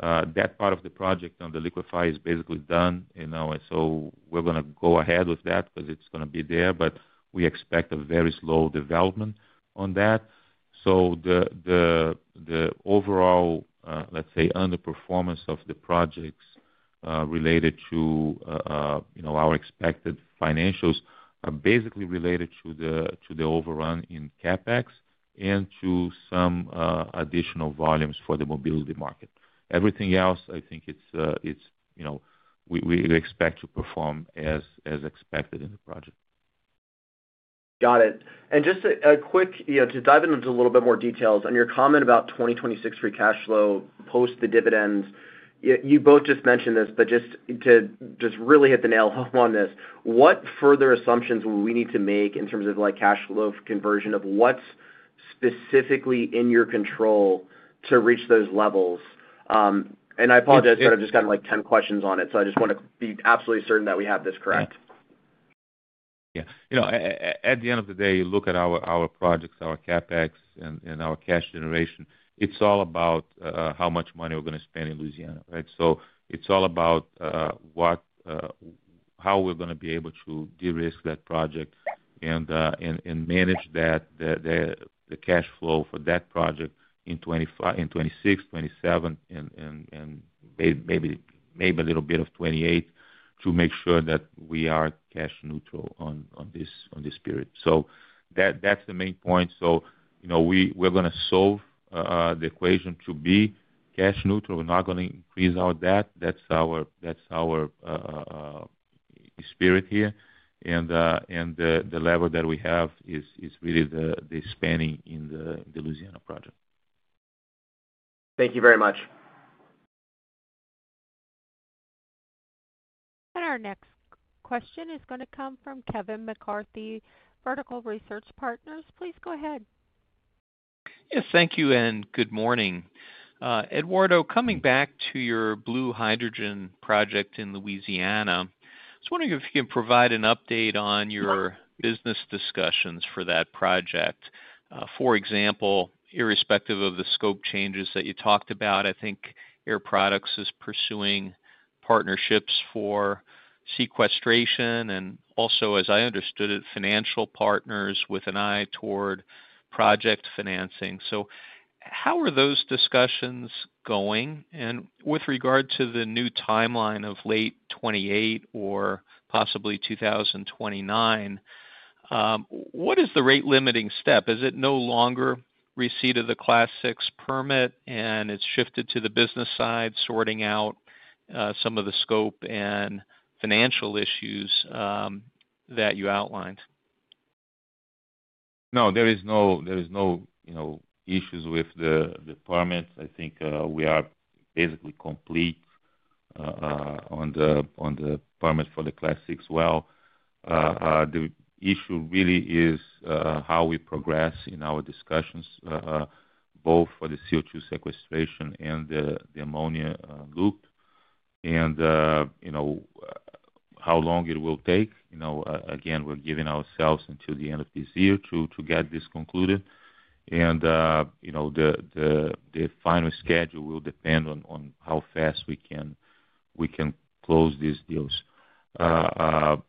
That part of the project on the liquefy is basically done. We're going to go ahead with that because it's going to be there, but we expect a very slow development on that. The overall, let's say, underperformance of the projects related to our expected financials are basically related to the overrun in CapEx and to some additional volumes for the mobility market. Everything else, I think we expect to perform as expected in the project. Got it. Just a quick to dive into a little bit more details on your comment about 2026 free cash flow post the dividend, you both just mentioned this, but just to really hit the nail on this, what further assumptions will we need to make in terms of cash flow conversion of what's specifically in your control to reach those levels? I apologize, but I've just gotten like 10 questions on it, so I just want to be absolutely certain that we have this correct. Yeah. At the end of the day, you look at our projects, our CapEx, and our cash generation, it's all about how much money we're going to spend in Louisiana, right? It's all about how we're going to be able to de-risk that project and manage the cash flow for that project in 2026, 2027, and maybe a little bit of 2028 to make sure that we are cash neutral on this period. That's the main point. We're going to solve the equation to be cash neutral. We're not going to increase our debt. That's our spirit here. The lever that we have is really the spending in the Louisiana project. Thank you very much. Our next question is going to come from Kevin McCarthy, Vertical Research Partners. Please go ahead. Yes. Thank you and good morning. Eduardo, coming back to your blue hydrogen project in Louisiana, I was wondering if you can provide an update on your business discussions for that project. For example, irrespective of the scope changes that you talked about, I think Air Products is pursuing partnerships for sequestration and also, as I understood it, financial partners with an eye toward project financing. How are those discussions going? With regard to the new timeline of late 2028 or possibly 2029, what is the rate-limiting step? Is it no longer receipt of the Class 6 permit and it has shifted to the business side sorting out some of the scope and financial issues that you outlined? No, there is no issues with the permit. I think we are basically complete on the permit for the Class 6. The issue really is how we progress in our discussions, both for the CO2 sequestration and the ammonia loop, and how long it will take. Again, we're giving ourselves until the end of this year to get this concluded. The final schedule will depend on how fast we can close these deals.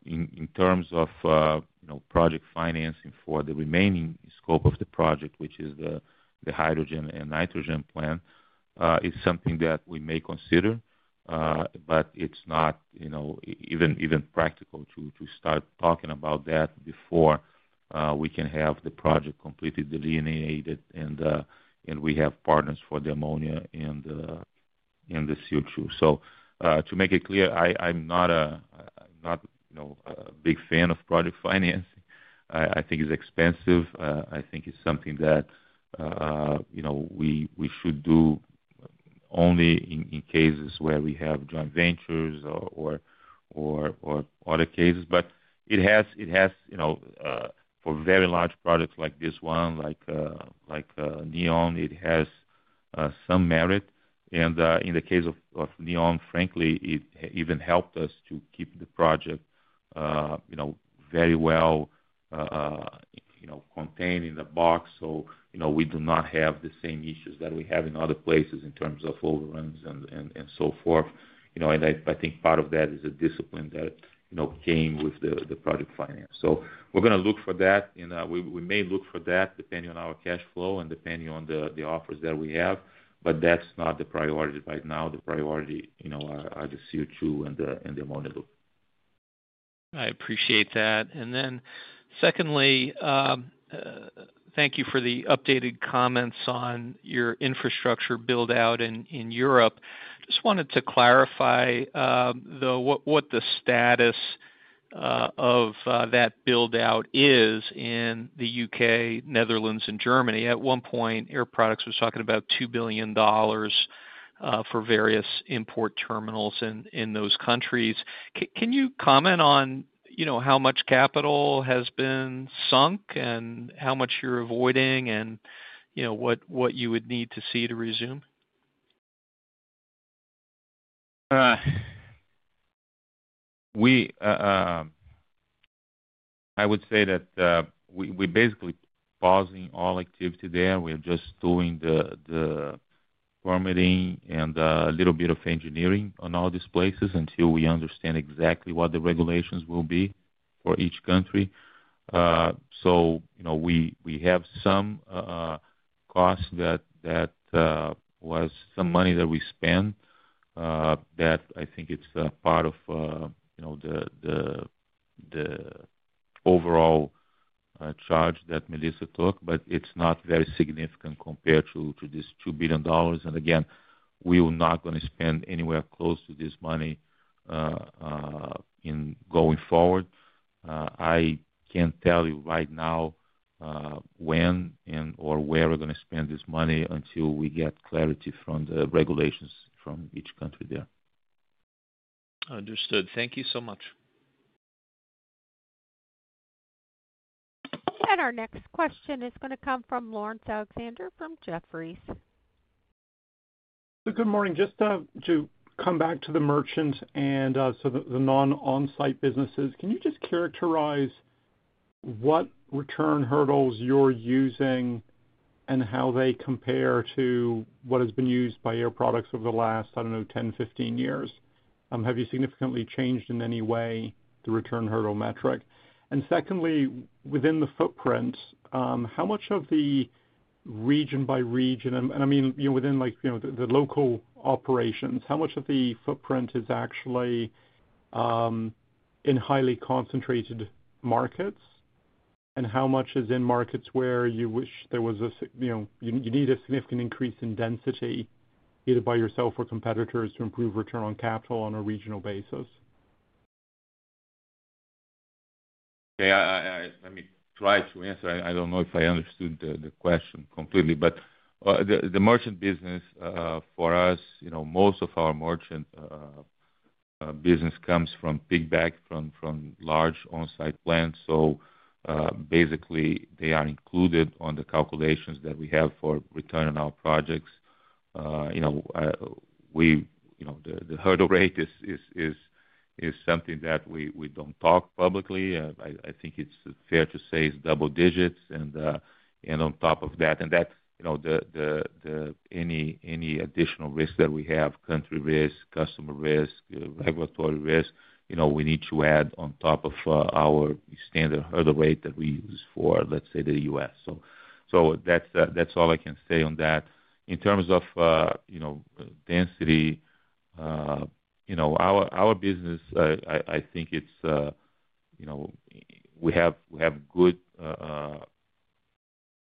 In terms of project financing for the remaining scope of the project, which is the hydrogen and nitrogen plant, it's something that we may consider, but it's not even practical to start talking about that before we can have the project completely delineated and we have partners for the ammonia and the CO2. To make it clear, I'm not a big fan of project financing. I think it's expensive. I think it's something that we should do only in cases where we have joint ventures or other cases. However, it has for very large projects like this one, like NEOM, it has some merit. In the case of NEOM, frankly, it even helped us to keep the project very well contained in the box. We do not have the same issues that we have in other places in terms of overruns and so forth. I think part of that is a discipline that came with the project finance. We are going to look for that. We may look for that depending on our cash flow and depending on the offers that we have, but that's not the priority right now. The priority are the CO2 and the ammonia loop. I appreciate that. Thank you for the updated comments on your infrastructure build-out in Europe. I just wanted to clarify, though, what the status of that build-out is in the U.K., Netherlands, and Germany. At one point, Air Products was talking about $2 billion for various import terminals in those countries. Can you comment on how much capital has been sunk and how much you're avoiding and what you would need to see to resume? I would say that we're basically pausing all activity there. We're just doing the permitting and a little bit of engineering on all these places until we understand exactly what the regulations will be for each country. We have some costs that was some money that we spent that I think is part of the overall charge that Melissa took, but it's not very significant compared to this $2 billion. Again, we are not going to spend anywhere close to this money going forward. I can't tell you right now when or where we're going to spend this money until we get clarity from the regulations from each country there. Understood. Thank you so much. Our next question is going to come from Laurence Alexander from Jefferies. Good morning. Just to come back to the merchants and the non-onsite businesses, can you just characterize what return hurdles you're using and how they compare to what has been used by Air Products over the last, I don't know, 10, 15 years? Have you significantly changed in any way the return hurdle metric? Secondly, within the footprint, how much of the region by region, and I mean, within the local operations, how much of the footprint is actually in highly concentrated markets, and how much is in markets where you wish there was a you need a significant increase in density, either by yourself or competitors, to improve return on capital on a regional basis? Okay. Let me try to answer. I don't know if I understood the question completely, but the merchant business for us, most of our merchant business comes from pig bag, from large onsite plants. So basically, they are included on the calculations that we have for return on our projects. The hurdle rate is something that we don't talk publicly. I think it's fair to say it's double digits. On top of that, and that's the any additional risk that we have: country risk, customer risk, regulatory risk, we need to add on top of our standard hurdle rate that we use for, let's say, the U.S. That is all I can say on that. In terms of density, our business, I think it's we have good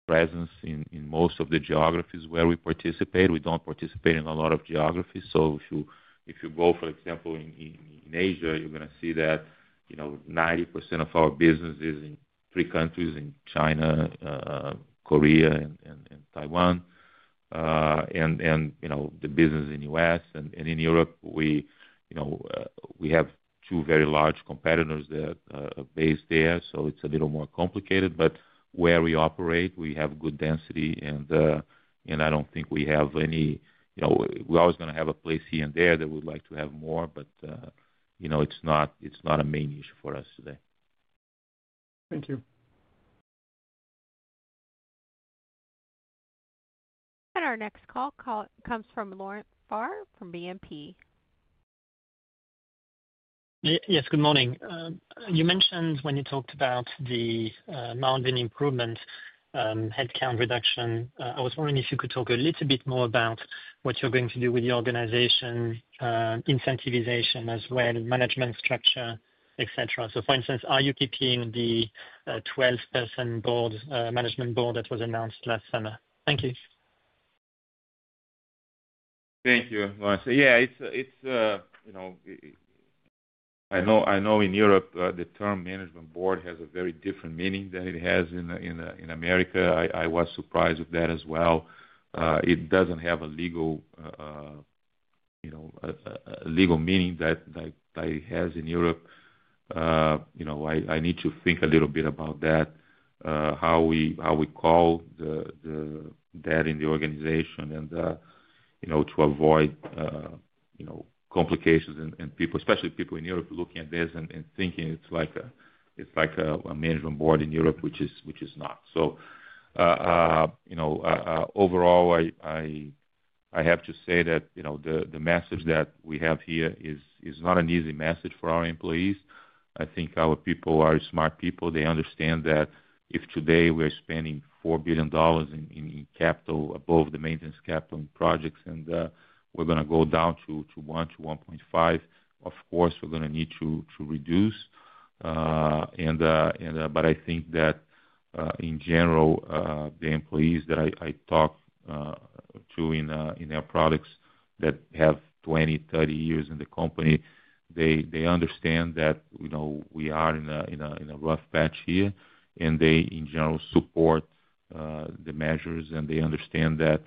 presence in most of the geographies where we participate. We do not participate in a lot of geographies. If you go, for example, in Asia, you are going to see that 90% of our business is in three countries: in China, Korea, and Taiwan, and the business in the U.S. In Europe, we have two very large competitors that are based there, so it is a little more complicated. Where we operate, we have good density, and I do not think we have any—we are always going to have a place here and there that we would like to have more, but it is not a main issue for us today. Thank you. Our next call comes from Lawrence Faur from BNP. Yes. Good morning. You mentioned when you talked about the mountain improvement, headcount reduction, I was wondering if you could talk a little bit more about what you are going to do with the organization, incentivization as well, management structure, etc. For instance, are you keeping the 12-person management board that was announced last summer? Thank you. Thank you, Lawrence. Yeah. I know in Europe, the term management board has a very different meaning than it has in America. I was surprised with that as well. It does not have a legal meaning that it has in Europe. I need to think a little bit about that, how we call that in the organization, and to avoid complications and people, especially people in Europe, looking at this and thinking it's like a management board in Europe, which is not. Overall, I have to say that the message that we have here is not an easy message for our employees. I think our people are smart people. They understand that if today we are spending $4 billion in capital above the maintenance capital in projects and we're going to go down to $1 billion-$1.5 billion, of course, we're going to need to reduce. I think that in general, the employees that I talk to in Air Products that have 20, 30 years in the company, they understand that we are in a rough patch here, and they, in general, support the measures, and they understand that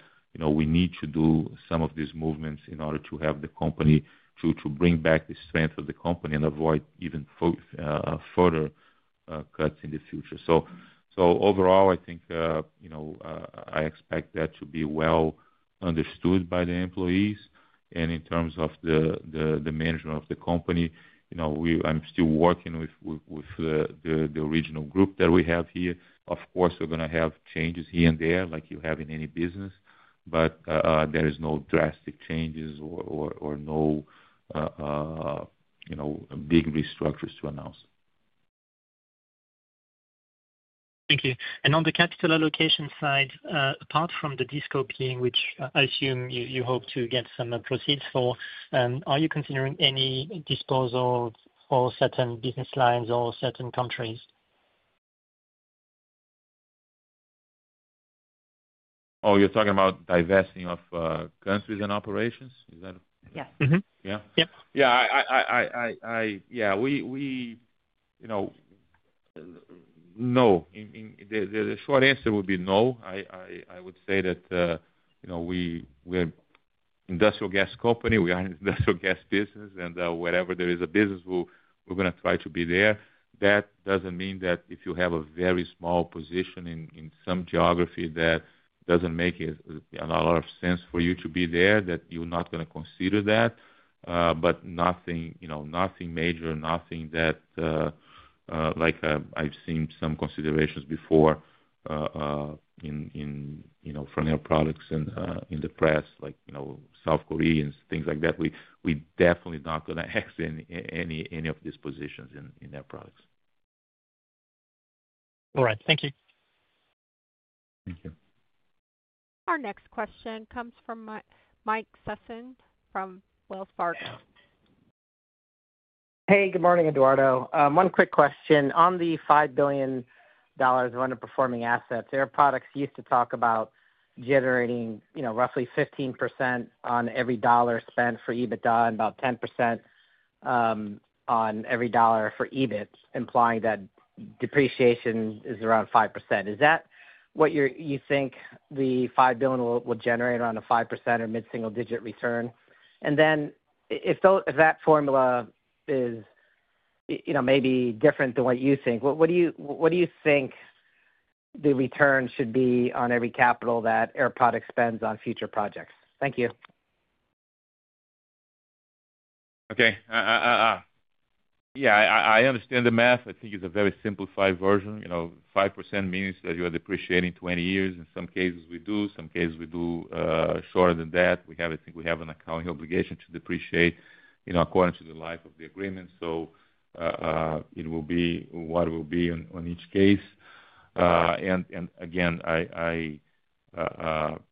we need to do some of these movements in order to have the company to bring back the strength of the company and avoid even further cuts in the future. Overall, I think I expect that to be well understood by the employees. In terms of the management of the company, I'm still working with the regional group that we have here. Of course, we're going to have changes here and there like you have in any business, but there are no drastic changes or no big restructures to announce. Thank you. On the capital allocation side, apart from the de-scoping, which I assume you hope to get some proceeds for, are you considering any disposal for certain business lines or certain countries? Oh, you're talking about divesting of countries and operations? Is that? Yes. Yeah? Yeah. Yeah. No. The short answer would be no. I would say that we're an industrial gas company. We are an industrial gas business, and wherever there is a business, we're going to try to be there. That doesn't mean that if you have a very small position in some geography that doesn't make a lot of sense for you to be there, that you're not going to consider that. Nothing major, nothing that I've seen some considerations before from Air Products and in the press, like South Koreans, things like that. We're definitely not going to accept any of these positions in Air Products. All right. Thank you. Thank you. Our next question comes from Mike Sisson from Wells Fargo. Hey, good morning, Eduardo. One quick question. On the $5 billion of underperforming assets, Air Products used to talk about generating roughly 15% on every dollar spent for EBITDA and about 10% on every dollar for EBIT, implying that depreciation is around 5%. Is that what you think the $5 billion will generate, around a 5% or mid-single-digit return? If that formula is maybe different than what you think, what do you think the return should be on every capital that Air Products spends on future projects? Thank you. Okay. Yeah. I understand the math. I think it's a very simplified version. 5% means that you are depreciating 20 years. In some cases, we do. In some cases, we do shorter than that. I think we have an accounting obligation to depreciate according to the life of the agreement. It will be what it will be on each case. Again,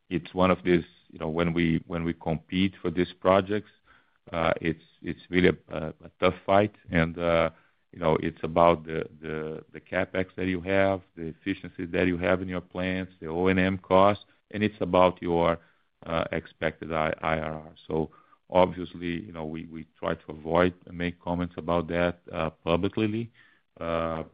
it's one of these when we compete for these projects, it's really a tough fight. It's about the CapEx that you have, the efficiencies that you have in your plants, the O&M costs, and it's about your expected IRR. Obviously, we try to avoid and make comments about that publicly. We're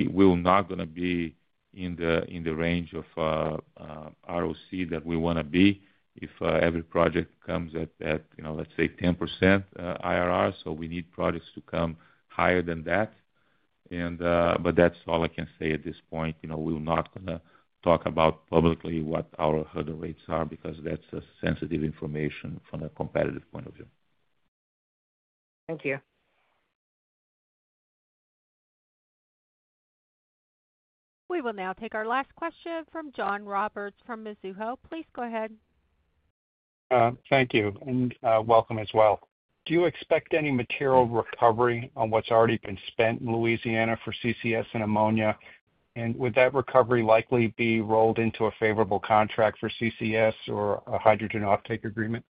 not going to be in the range of ROC that we want to be if every project comes at, let's say, 10% IRR. We need projects to come higher than that. That's all I can say at this point. We're not going to talk about publicly what our hurdle rates are because that's sensitive information from a competitive point of view. Thank you. We will now take our last question from John Roberts from Mizuho. Please go ahead. Thank you. And welcome as well. Do you expect any material recovery on what's already been spent in Louisiana for CCS and ammonia? Would that recovery likely be rolled into a favorable contract for CCS or a hydrogen offtake agreement?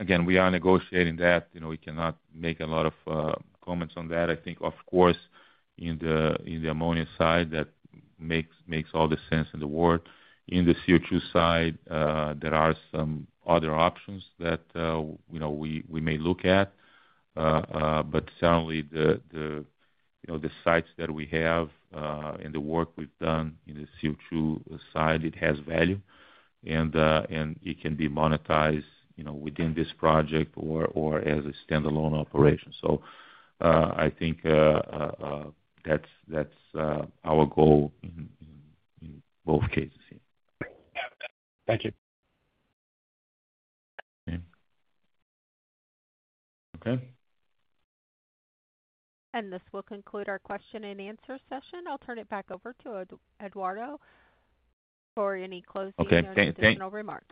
Again, we are negotiating that. We cannot make a lot of comments on that. I think, of course, in the ammonia side, that makes all the sense in the world. In the CO2 side, there are some other options that we may look at. Certainly, the sites that we have and the work we've done in the CO2 side, it has value, and it can be monetized within this project or as a standalone operation. I think that's our goal in both cases. Thank you. This will conclude our question and answer session. I'll turn it back over to Eduardo for any closing or additional remarks.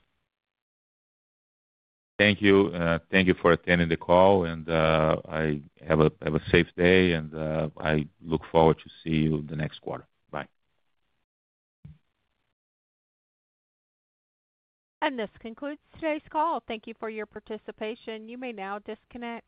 Thank you. Thank you for attending the call, and have a safe day, and I look forward to seeing you the next quarter. Bye. This concludes today's call. Thank you for your participation. You may now disconnect.